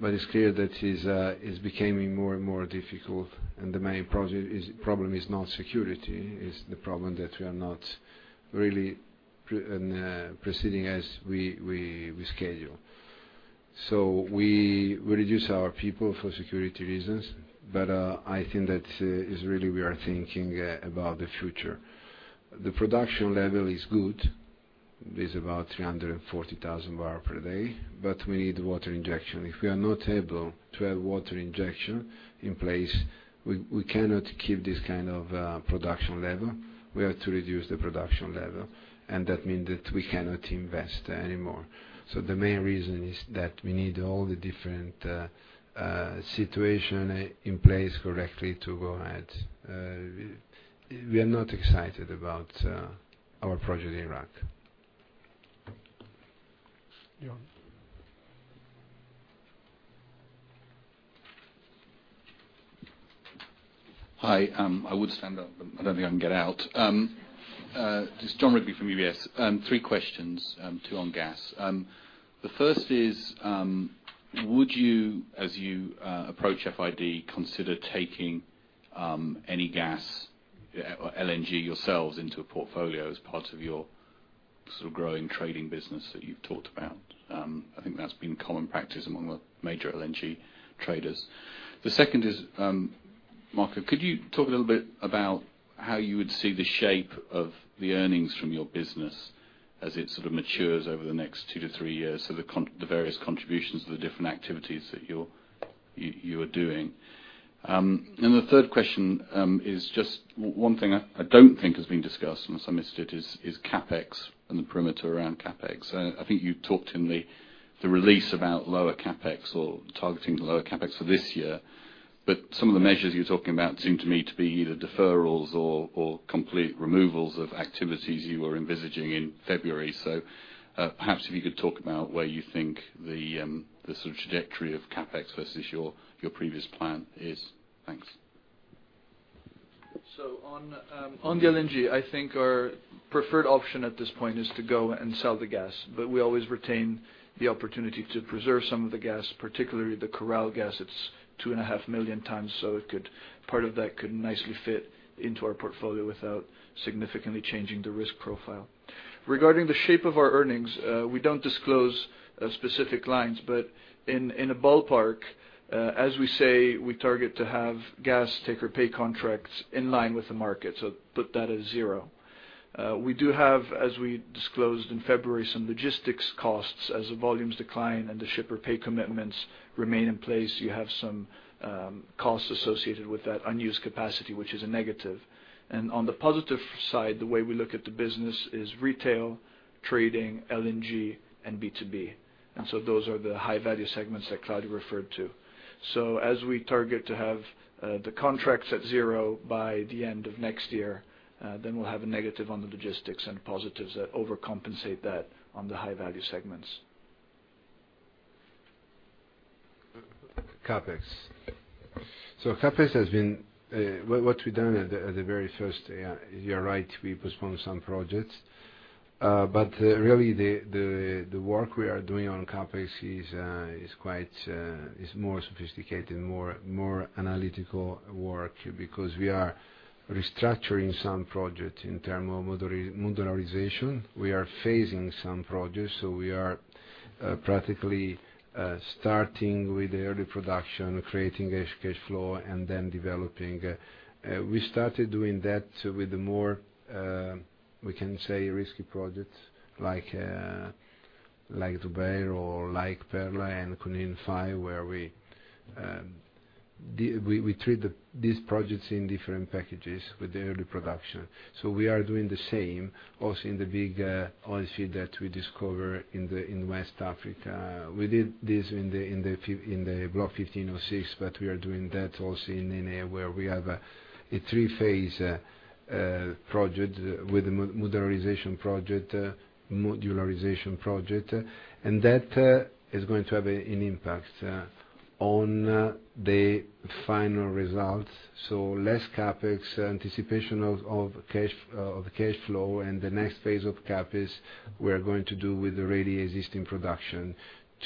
but it's clear that it's becoming more and more difficult, and the main problem is not security, is the problem that we are not really proceeding as we schedule. We reduce our people for security reasons, but I think that is really we are thinking about the future. The production level is good. It is about 340,000 barrel per day, but we need water injection. If we are not able to have water injection in place, we cannot keep this kind of production level. We have to reduce the production level, and that means that we cannot invest anymore. The main reason is that we need all the different situations in place correctly to go ahead. We are not excited about our project in Iraq. Jon. Hi, I would stand up, but I don't think I can get out. Just Jon Rigby from UBS. Three questions, two on gas. The first is, would you, as you approach FID, consider taking any gas or LNG yourselves into a portfolio as part of your sort of growing trading business that you've talked about? I think that's been common practice among the major LNG traders. The second is, Marco, could you talk a little bit about how you would see the shape of the earnings from your business as it sort of matures over the next 2 to 3 years? The various contributions to the different activities that you are doing. The third question is just one thing I don't think has been discussed, and some is it is CapEx and the perimeter around CapEx. I think you talked in the release about lower CapEx or targeting lower CapEx for this year, but some of the measures you're talking about seem to me to be either deferrals or complete removals of activities you were envisaging in February. Perhaps if you could talk about where you think the sort of trajectory of CapEx versus your previous plan is. Thanks. On the LNG, I think our preferred option at this point is to go and sell the gas, but we always retain the opportunity to preserve some of the gas, particularly the Coral gas. It's 2.5 million tons, so part of that could nicely fit into our portfolio without significantly changing the risk profile. Regarding the shape of our earnings, we don't disclose specific lines, but in a ballpark, as we say, we target to have gas take-or-pay contracts in line with the market. Put that as zero. We do have, as we disclosed in February, some logistics costs as the volumes decline and the ship-or-pay commitments remain in place. You have some costs associated with that unused capacity, which is a negative. On the positive side, the way we look at the business is retail, trading, LNG, and B2B. Those are the high-value segments that Claudio referred to. As we target to have the contracts at zero by the end of next year, we'll have a negative on the logistics and positives that overcompensate that on the high-value segments. CapEx. CapEx has been, what we've done at the very first, you're right, we postponed some projects. Really the work we are doing on CapEx is more sophisticated, more analytical work because we are restructuring some projects in terms of modularization. We are phasing some projects. We are practically starting with the early production, creating a cash flow, and then developing. We started doing that with the more, we can say risky projects like Zubair or like Perla and Kunene-5 where we treat these projects in different packages with the early production. We are doing the same also in the big oil field that we discover in West Africa. We did this in the Block 15/06, but we are doing that also in an area where we have a 3-phase project with a modularization project. That is going to have an impact on the final results. Less CapEx, anticipation of cash flow, and the next phase of CapEx, we are going to do with already existing production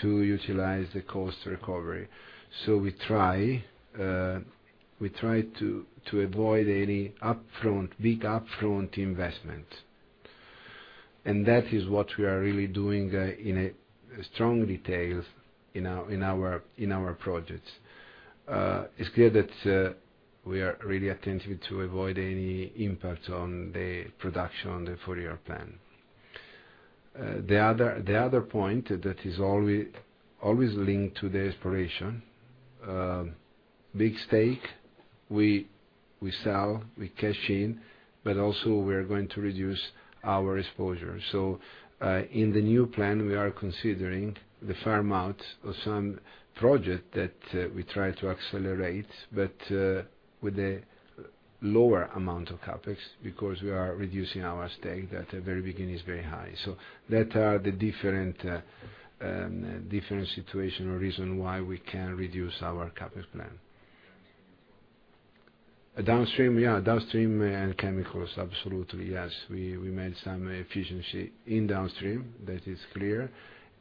to utilize the cost recovery. We try to avoid any big upfront investment. That is what we are really doing in a strong details in our projects. It's clear that we are really attentive to avoid any impact on the production on the 4-year plan. The other point that is always linked to the exploration, big stake, we sell, we cash in, but also we are going to reduce our exposure. In the new plan, we are considering the farm out of some project that we try to accelerate, but with a lower amount of CapEx because we are reducing our stake that at the very beginning is very high. That are the different situation or reason why we can reduce our CapEx plan. Downstream? Yeah, downstream and chemicals, absolutely. Yes. We made some efficiency in downstream, that is clear,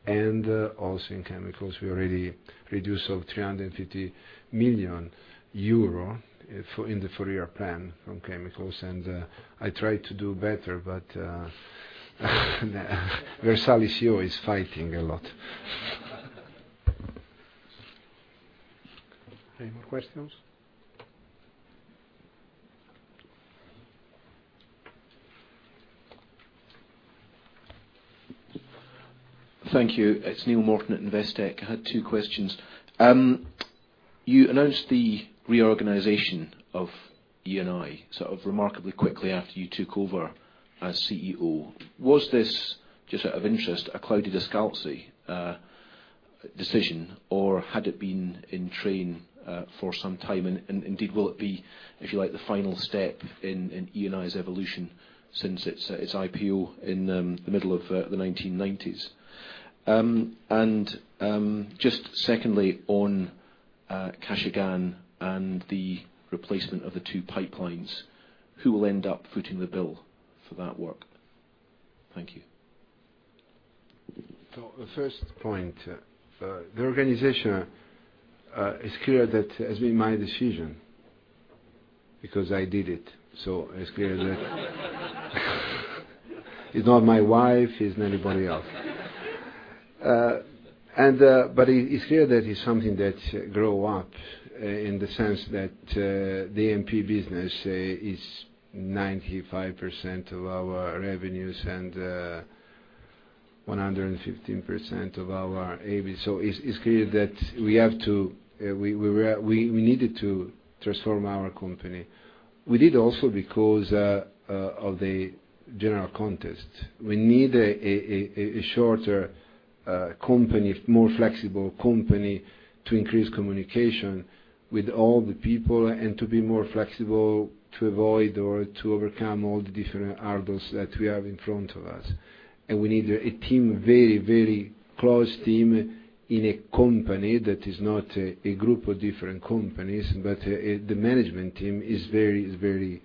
and also in chemicals. We already reduce of 350 million euro in the 4-year plan from chemicals. I try to do better, but Versalis CEO is fighting a lot. Any more questions? Thank you. It's Neill Morton at Investec. I had two questions. You announced the reorganization of Eni sort of remarkably quickly after you took over as CEO. Was this, just out of interest, a Claudio Descalzi decision, or had it been in train for some time? Indeed, will it be, if you like, the final step in Eni's evolution since its IPO in the middle of the 1990s? Just secondly, on Kashagan and the replacement of the two pipelines, who will end up footing the bill for that work? Thank you. The first point, the reorganization, it's clear that it has been my decision, because I did it. It's clear that it's not my wife, it's not anybody else. It's clear that it's something that grow up, in the sense that the E&P business is 95% of our revenues and 115% of our EBIT. It's clear that we needed to transform our company. We did also because of the general context. We need a shorter company, more flexible company to increase communication with all the people, and to be more flexible to avoid or to overcome all the different hurdles that we have in front of us. We need a team, very close team in a company that is not a group of different companies, but the management team is very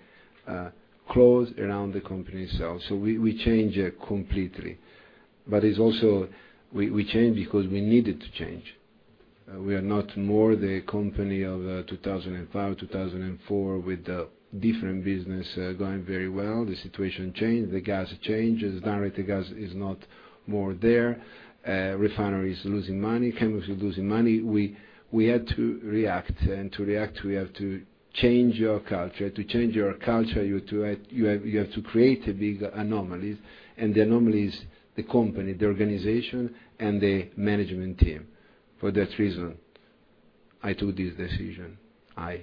close around the company itself. We change completely. It's also we change because we needed to change. We are not more the company of 2005, 2004, with different business going very well. The situation changed, the gas changed, as a matter of fact gas is not more there. Refinery is losing money, chemical is losing money. We had to react, to react, we have to change our culture. To change our culture, you have to create a big anomalies, the anomalies, the company, the organization, and the management team. For that reason, I took this decision. Kashagan.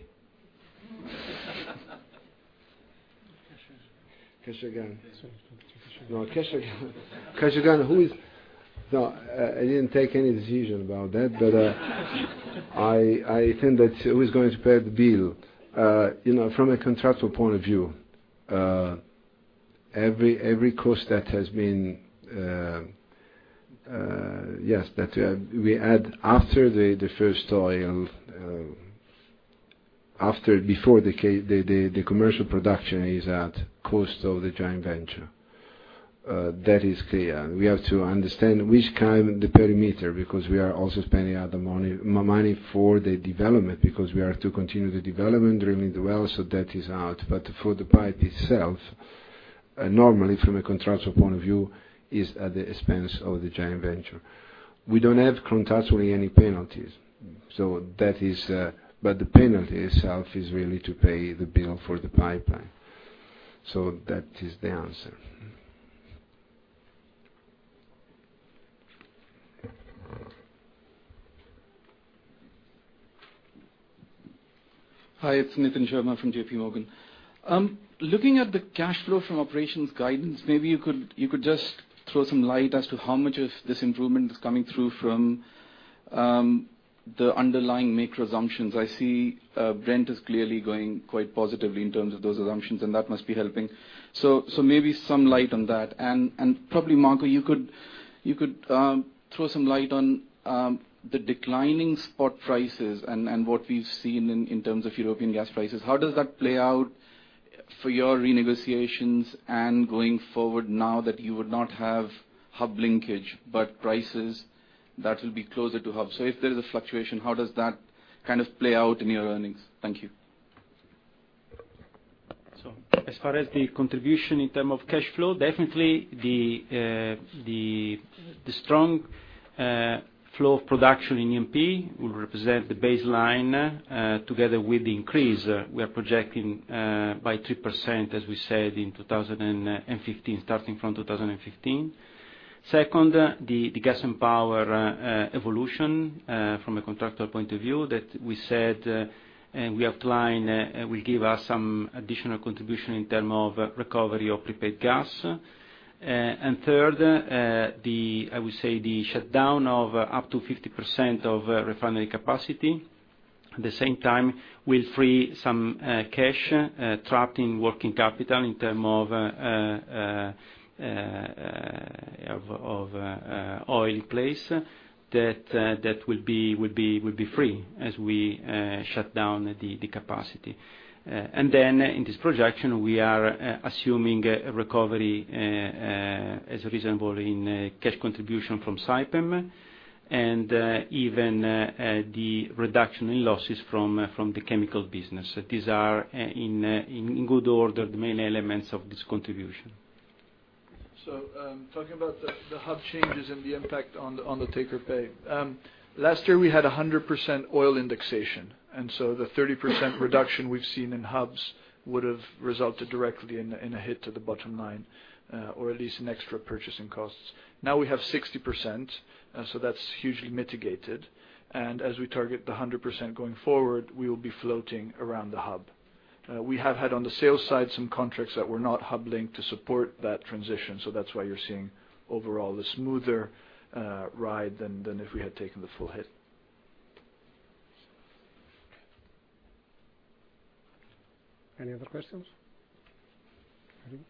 Kashagan. No, Kashagan. Kashagan, I didn't take any decision about that, I think, who is going to pay the bill? From a contractual point of view, every cost that has been, yes, that we add after the first oil, before the commercial production is at cost of the joint venture. That is clear. We have to understand which kind, the perimeter, because we are also spending money for the development, because we are to continue the development, drilling the wells. That is out. For the pipe itself, normally from a contractual point of view, is at the expense of the joint venture. We don't have contractually any penalties. The penalty itself is really to pay the bill for the pipeline. That is the answer. Hi, it's Nitin Sharma from J.P. Morgan. Looking at the cash flow from operations guidance, maybe you could just throw some light as to how much of this improvement is coming through from the underlying macro assumptions. I see Brent is clearly going quite positively in terms of those assumptions, that must be helping. Maybe some light on that. Probably, Marco, you could throw some light on the declining spot prices and what we've seen in terms of European gas prices. How does that play out for your renegotiations and going forward now that you would not have hub linkage, but prices that will be closer to hub? If there is a fluctuation, how does that kind of play out in your earnings? Thank you. As far as the contribution in term of cash flow, definitely the strong flow of production in MP will represent the baseline, together with the increase, we are projecting by 3%, as we said, in 2015, starting from 2015. Second, the gas and power evolution from a contractor point of view that we said, we outline will give us some additional contribution in term of recovery of prepaid gas. Third, I would say the shutdown of up to 50% of refinery capacity, at the same time will free some cash trapped in working capital in term of oil in place that will be free as we shut down the capacity. In this projection, we are assuming a recovery as reasonable in cash contribution from Saipem and even the reduction in losses from the chemical business. These are, in good order, the main elements of this contribution. Talking about the hub changes and the impact on the take-or-pay. Last year we had 100% oil indexation, the 30% reduction we've seen in hubs would've resulted directly in a hit to the bottom line, or at least in extra purchasing costs. Now we have 60%, that's hugely mitigated, and as we target the 100% going forward, we will be floating around the hub. We have had, on the sales side, some contracts that were not hub linked to support that transition, that's why you're seeing overall the smoother ride than if we had taken the full hit. Any other questions? Irene?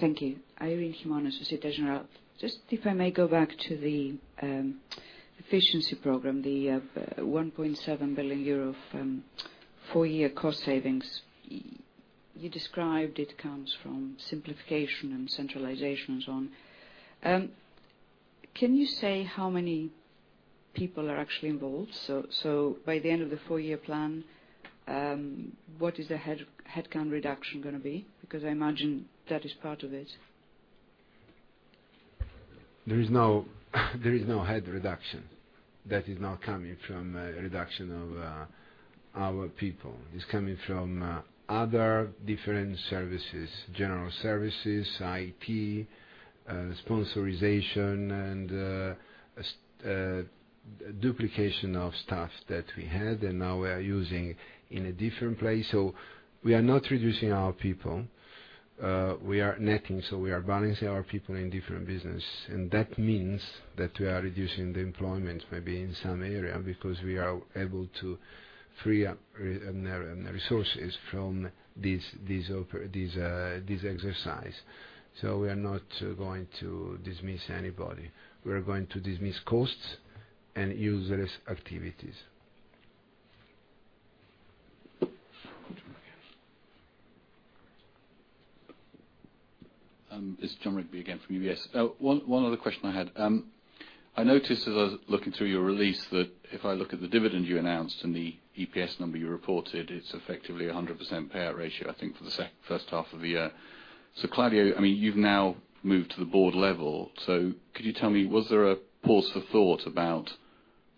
Thank you. Irene Himona, Societe Generale. If I may go back to the efficiency program, the 1.7 billion euro four-year cost savings. You described it comes from simplification and centralization and so on. Can you say how many people are actually involved? By the end of the four-year plan, what is the head count reduction going to be? Because I imagine that is part of it. There is no head reduction. That is not coming from a reduction of our people. It's coming from other different services, general services, IT, standardization, duplication of staff that we had, now we are using in a different place. We are not reducing our people. We are netting, we are balancing our people in different business. That means that we are reducing the employment maybe in some area, because we are able to free up resources from this exercise. We are not going to dismiss anybody. We are going to dismiss costs and useless activities. It's Jon Rigby again from UBS. One other question I had. I noticed as I was looking through your release that if I look at the dividend you announced and the EPS number you reported, it's effectively 100% payout ratio, I think, for the first half of the year. Claudio, you've now moved to the board level. Could you tell me, was there a pause for thought about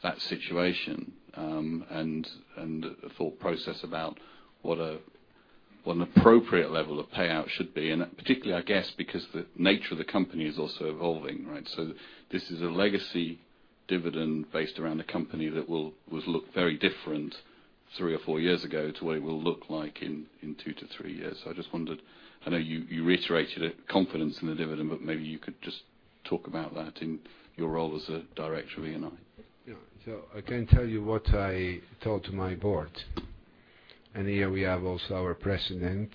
that situation, and a thought process about what an appropriate level of payout should be, and particularly, I guess, because the nature of the company is also evolving, right? This is a legacy dividend based around a company that would look very different three or four years ago to the way it will look like in two to three years. I just wondered, I know you reiterated a confidence in the dividend, but maybe you could just talk about that in your role as a director of Eni. I can tell you what I told to my board, and here we have also our president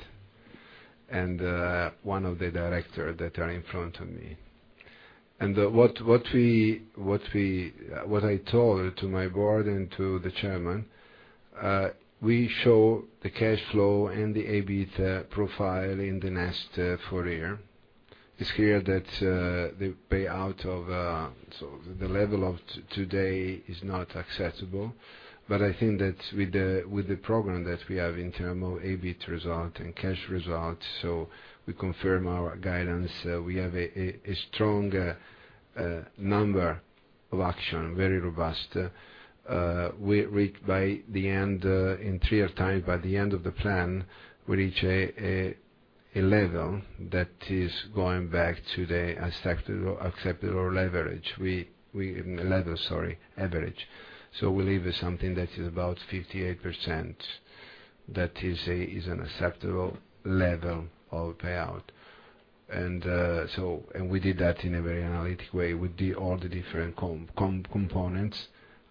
and one of the director that are in front of me. What I told to my board and to the chairman, we show the cash flow and the EBIT profile in the next full year. It's clear that the payout of the level of today is not acceptable, but I think that with the program that we have in term of EBIT result and cash results, we confirm our guidance. We have a strong number of action, very robust. In three year time, by the end of the plan, we reach a level that is going back to the acceptable leverage. Level, sorry, average. We leave something that is about 58%, that is an acceptable level of payout. We did that in a very analytic way with all the different components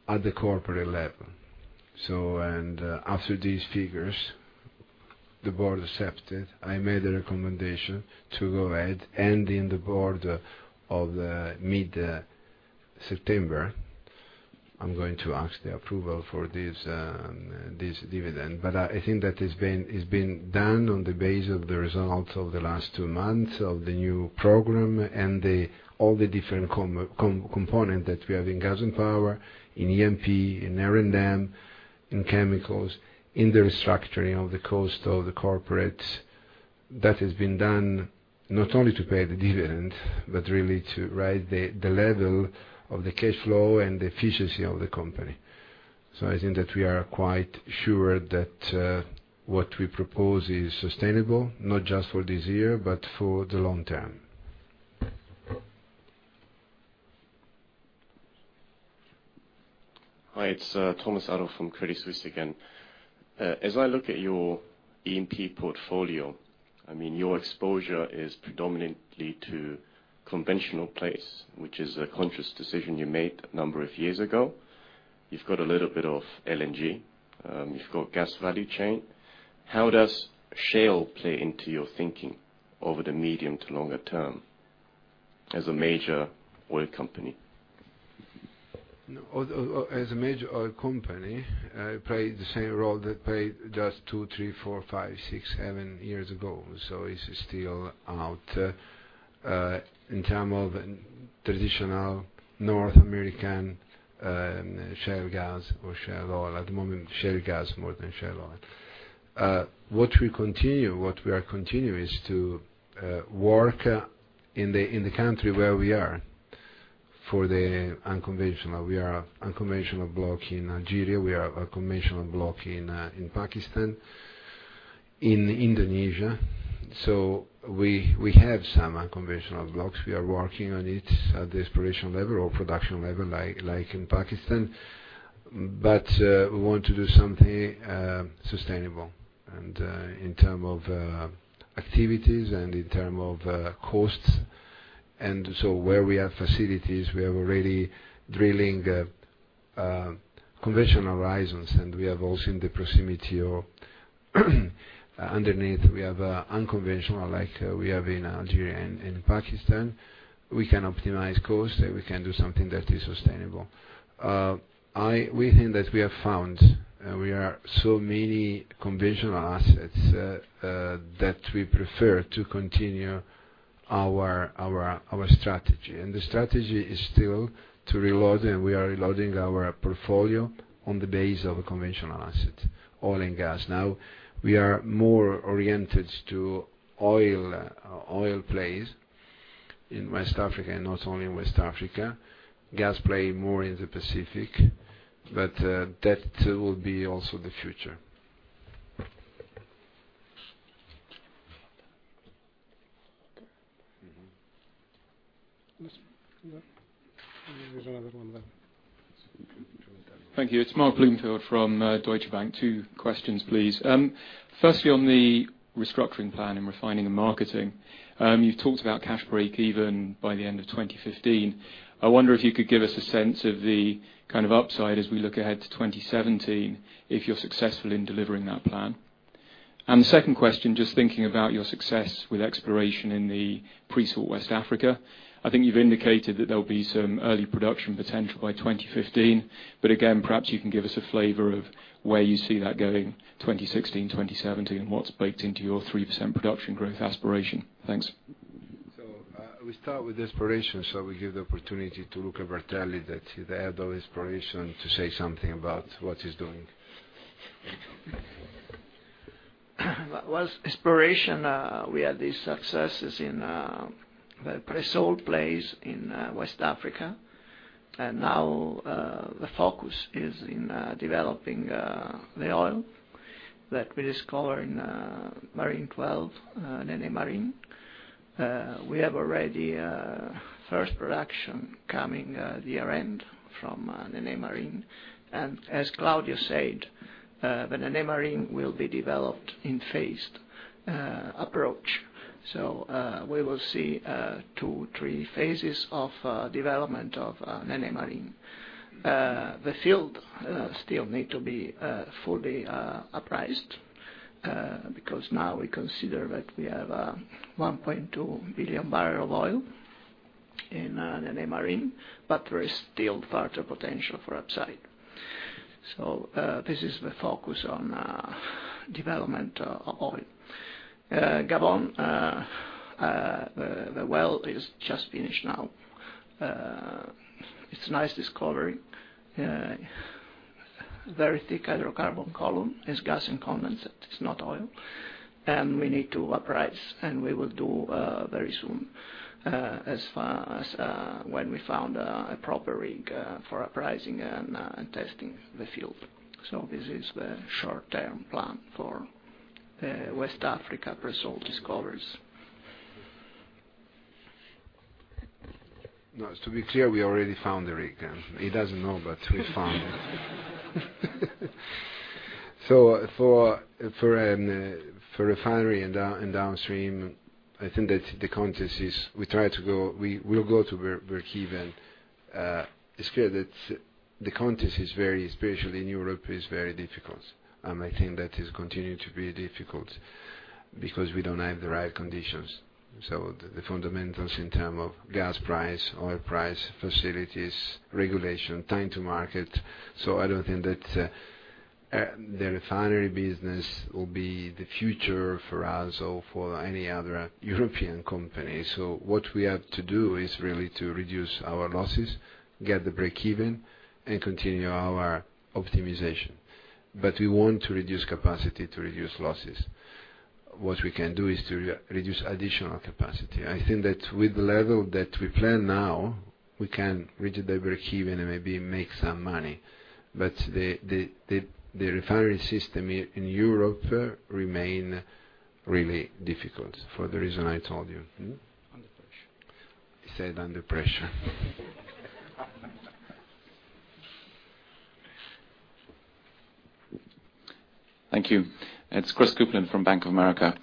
at the corporate level. After these figures, the board accepted. I made a recommendation to go ahead and in the board of mid-September, I'm going to ask the approval for this dividend. I think that it's been done on the base of the results of the last two months of the new program and all the different component that we have in gas and power, in E&P, in R&D, in chemicals, in the restructuring of the cost of the corporate. That has been done not only to pay the dividend, but really to ride the level of the cash flow and the efficiency of the company. I think that we are quite sure that what we propose is sustainable, not just for this year, but for the long term. Hi, it's Thomas Adolff from Credit Suisse again. As I look at your E&P portfolio, your exposure is predominantly to conventional place, which is a conscious decision you made a number of years ago. You've got a little bit of LNG, you've got gas value chain. How does shale play into your thinking over the medium to longer term as a major oil company? As a major oil company, play the same role that played just two, three, four, five, six, seven years ago. It's still out, in terms of traditional North American shale gas or shale oil. At the moment, shale gas more than shale oil. What we continue, what we are continuing is to work in the country where we are for the unconventional. We are unconventional block in Algeria. We are unconventional block in Pakistan, in Indonesia. We have some unconventional blocks. We are working on it at the exploration level or production level, like in Pakistan. We want to do something sustainable, and in terms of activities and in terms of costs. Where we have facilities, we are already drilling conventional horizons, and we have also in the proximity or underneath, we have unconventional, like we have in Algeria and Pakistan. We can optimize cost, we can do something that is sustainable. We think that we have found so many conventional assets that we prefer to continue our strategy, the strategy is still to reload, we are reloading our portfolio on the base of conventional assets, oil and gas. Now we are more oriented to oil plays in West Africa, not only in West Africa, gas play more in the Pacific, that will be also the future. Okay. There's another one there. Thank you. It's Mark Bloomfield from Deutsche Bank. Two questions, please. Firstly, on the restructuring plan in refining and marketing, you've talked about cash break even by the end of 2015. I wonder if you could give us a sense of the kind of upside as we look ahead to 2017, if you're successful in delivering that plan. The second question, just thinking about your success with exploration in the pre-salt West Africa, I think you've indicated that there'll be some early production potential by 2015. Again, perhaps you can give us a flavor of where you see that going 2016, 2017, and what's baked into your 3% production growth aspiration. Thanks. We start with exploration. We give the opportunity to Luca Bertelli, the head of exploration, to say something about what he's doing. Exploration, we had these successes in the pre-salt plays in West Africa, now, the focus is in developing the oil that we discover in Marine XII, Nené Marine. We have already first production coming year-end from Nené Marine. As Claudio said, the Nené Marine will be developed in phased approach. We will see two, three phases of development of Nené Marine. The field still need to be fully appraised, because now we consider that we have 1.2 billion barrels of oil in Nené Marine, but there is still further potential for upside. This is the focus on development of oil. Gabon, the well is just finished now. It's a nice discovery. Very thick hydrocarbon column. It's gas and condensate, it's not oil, and we need to appraise, and we will do very soon, when we found a proper rig for appraising and testing the field. This is the short-term plan for West Africa pre-salt discoveries. No, to be clear, we already found the rig. He doesn't know, but we found it. For refinery and downstream, I think that the context is we'll go to breakeven. It's clear that the context is very, especially in Europe, is very difficult. I think that is continuing to be difficult because we don't have the right conditions. The fundamentals in terms of gas price, oil price, facilities, regulation, time to market. I don't think that the refinery business will be the future for us or for any other European company. What we have to do is really to reduce our losses, get the breakeven, and continue our optimization. We want to reduce capacity to reduce losses. What we can do is to reduce additional capacity. I think that with the level that we plan now, we can reach the breakeven and maybe make some money. The refinery system in Europe remain really difficult for the reason I told you. Under pressure. He said under pressure. Thank you. It's Chris Kuplent from Bank of America.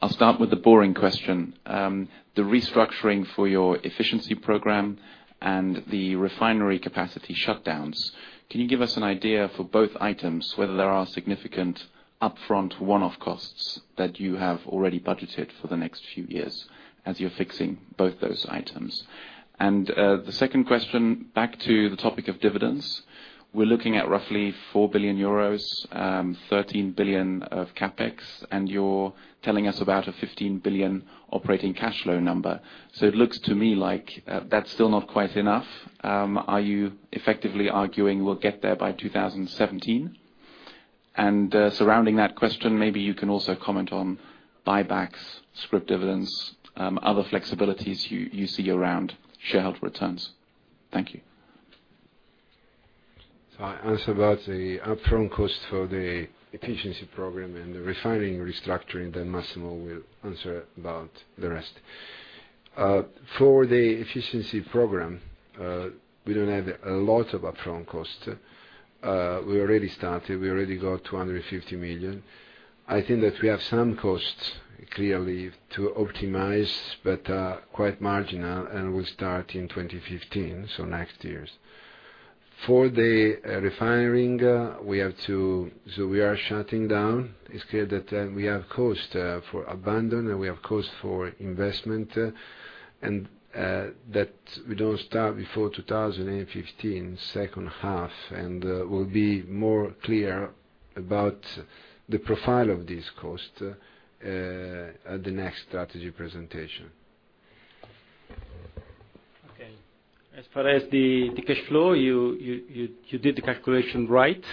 I'll start with the boring question. The restructuring for your efficiency program and the refinery capacity shutdowns, can you give us an idea for both items whether there are significant upfront one-off costs that you have already budgeted for the next few years as you're fixing both those items? The second question, back to the topic of dividends. We're looking at roughly 4 billion euros, 13 billion of CapEx, you're telling us about a 15 billion operating cash flow number. It looks to me like that's still not quite enough. Are you effectively arguing we'll get there by 2017? Surrounding that question, maybe you can also comment on buybacks, scrip dividends, other flexibilities you see around shareholder returns. Thank you. I answer about the upfront cost for the efficiency program and the refining restructuring, then Massimo will answer about the rest. For the efficiency program, we don't have a lot of upfront cost. We already started, we already got 250 million. I think that we have some costs, clearly, to optimize, but quite marginal, and will start in 2015, so next year. For the refining, we are shutting down. It's clear that we have cost for abandon and we have cost for investment, and that we don't start before 2015, second half, and will be more clear about the profile of this cost at the next strategy presentation. Okay. As far as the cash flow, you did the calculation right.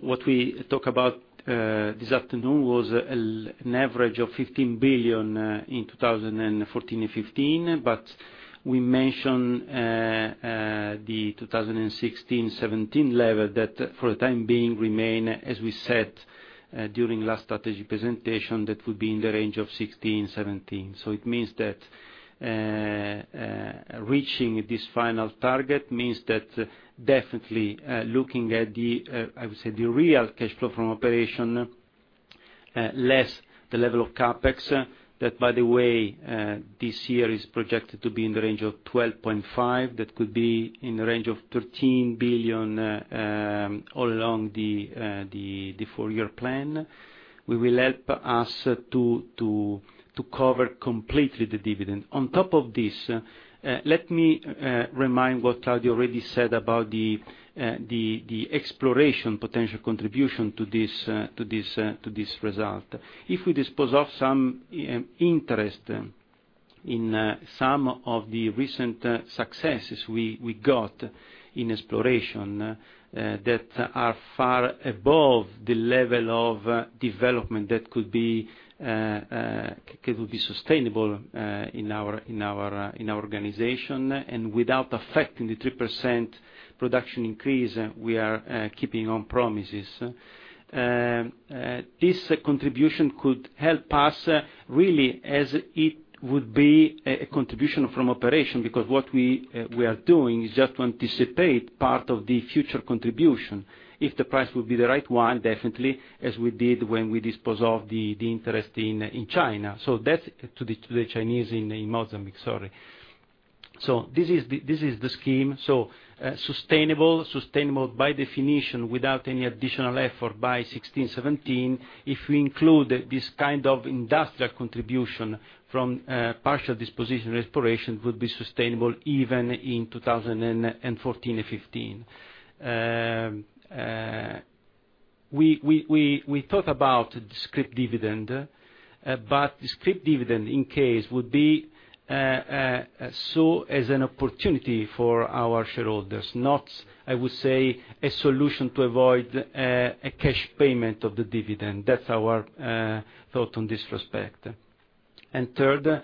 What we talk about this afternoon was an average of 15 billion in 2014 and 2015. We mentioned the 2016-2017 level that, for the time being, remain, as we said during last strategy presentation, that would be in the range of 2016, 2017. It means that reaching this final target means that definitely looking at the, I would say, the real cash flow from operation, less the level of CapEx. That, by the way, this year is projected to be in the range of 12.5 billion. That could be in the range of 13 billion all along the four-year plan. We will help us to cover completely the dividend. On top of this, let me remind what Claudio already said about the exploration potential contribution to this result. If we dispose of some interest in some of the recent successes we got in exploration that are far above the level of development that could be sustainable in our organization, and without affecting the 3% production increase we are keeping on promises. This contribution could help us really as it would be a contribution from operation, because what we are doing is just to anticipate part of the future contribution. If the price will be the right one, definitely, as we did when we dispose of the interest in China. That's to the Chinese in Mozambique, sorry. This is the scheme. Sustainable by definition without any additional effort by 2016, 2017. If we include this kind of industrial contribution from partial disposition restoration, it would be sustainable even in 2014 and 2015. We thought about the scrip dividend. The scrip dividend, in case, would be saw as an opportunity for our shareholders, not, I would say, a solution to avoid a cash payment of the dividend. That's our thought in this respect. Third,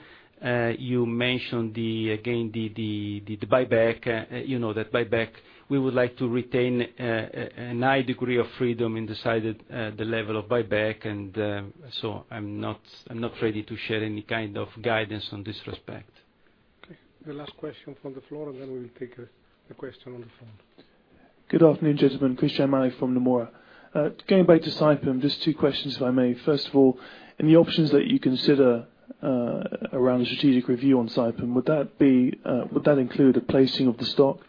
you mentioned again, the buyback. You know that buyback, we would like to retain a high degree of freedom in decided the level of buyback. I'm not ready to share any kind of guidance on this respect. Okay, the last question from the floor. Then we will take a question on the phone. Good afternoon, gentlemen. Christian Maillet from Nomura. Going back to Saipem, just two questions, if I may. First of all, in the options that you consider around the strategic review on Saipem, would that include a placing of the stock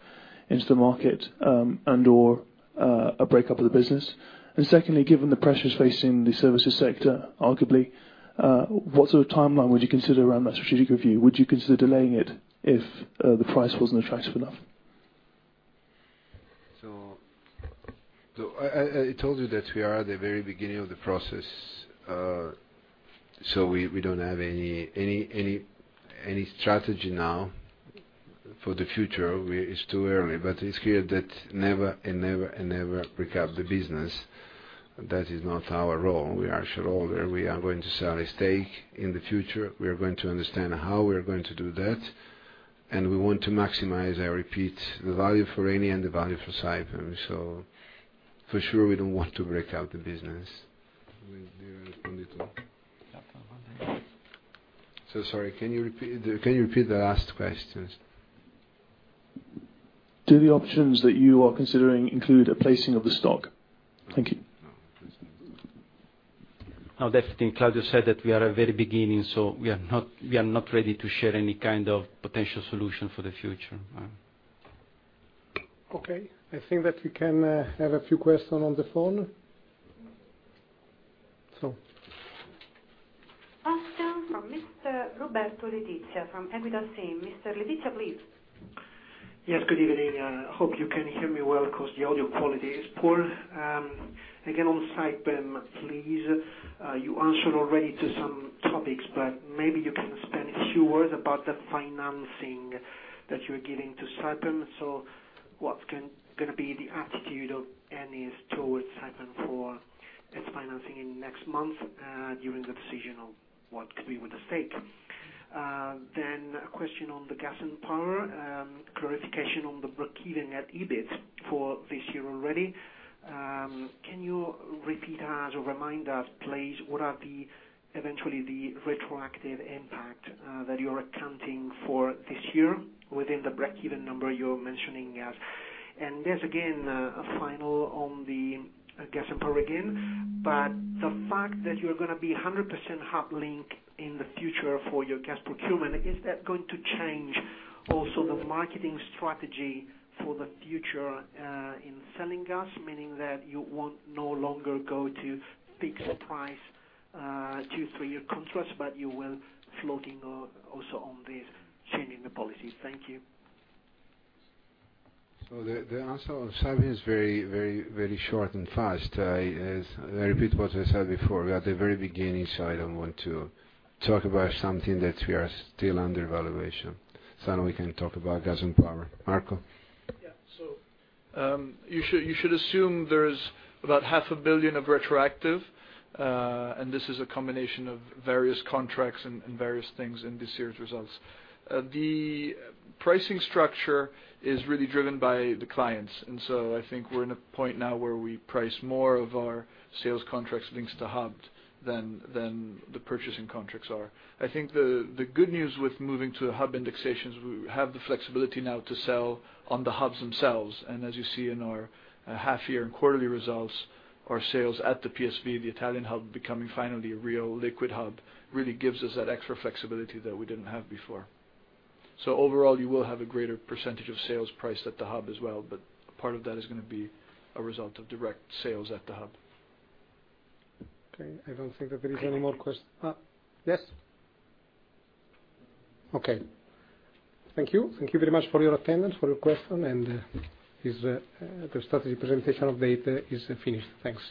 into the market, and/or a breakup of the business? Secondly, given the pressures facing the services sector, arguably, what sort of timeline would you consider around that strategic review? Would you consider delaying it if the price wasn't attractive enough? I told you that we are at the very beginning of the process. We don't have any strategy now for the future. It's too early. It's clear that never and never break up the business. That is not our role. We are shareholder. We are going to sell a stake in the future. We are going to understand how we are going to do that. We want to maximize, I repeat, the value for Eni and the value for Saipem. For sure, we don't want to break out the business. Do you want me to respond, too? Yeah. Sorry, can you repeat the last questions? Do the options that you are considering include a placing of the stock? Thank you. No. Definitely Claudio said that we are at very beginning, so we are not ready to share any kind of potential solution for the future. I think that we can have a few questions on the phone. Next, from Mr. Roberto Letizia from Equita SIM. Mr. Letizia, please. Yes, good evening. I hope you can hear me well because the audio quality is poor. Again, on Saipem, please. You answered already to some topics, but maybe you can spend a few words about the financing that you're giving to Saipem. What's going to be the attitude of Eni towards Saipem for its financing in next month, during the decision of what could be with the stake? Then a question on the gas and power, clarification on the breakeven net EBIT for this year already. Can you repeat us or remind us, please, what are eventually the retroactive impact that you're accounting for this year within the breakeven number you're mentioning as. There's again, a final on the gas and power again, but the fact that you're going to be 100% hub linked in the future for your gas procurement, is that going to change also the marketing strategy for the future, in selling gas, meaning that you won't no longer go to fixed price, two, three-year contracts, but you will floating also on this, changing the policy? Thank you. The answer of Saipem is very short and fast. I repeat what I said before, we are at the very beginning, I don't want to talk about something that we are still under evaluation. We can talk about gas and power. Marco? Yeah. You should assume there's about half a billion EUR of retroactive, this is a combination of various contracts and various things in this year's results. The pricing structure is really driven by the clients, I think we're in a point now where we price more of our sales contracts links to hubs than the purchasing contracts are. I think the good news with moving to hub indexations, we have the flexibility now to sell on the hubs themselves, and as you see in our half year and quarterly results, our sales at the PSV, the Italian hub, becoming finally a real liquid hub, really gives us that extra flexibility that we didn't have before. Overall, you will have a greater percentage of sales price at the hub as well, but part of that is going to be a result of direct sales at the hub. Okay, I don't think that there is any more question. yes? Okay. Thank you. Thank you very much for your attendance, for your question, and the strategy presentation of data is finished. Thanks.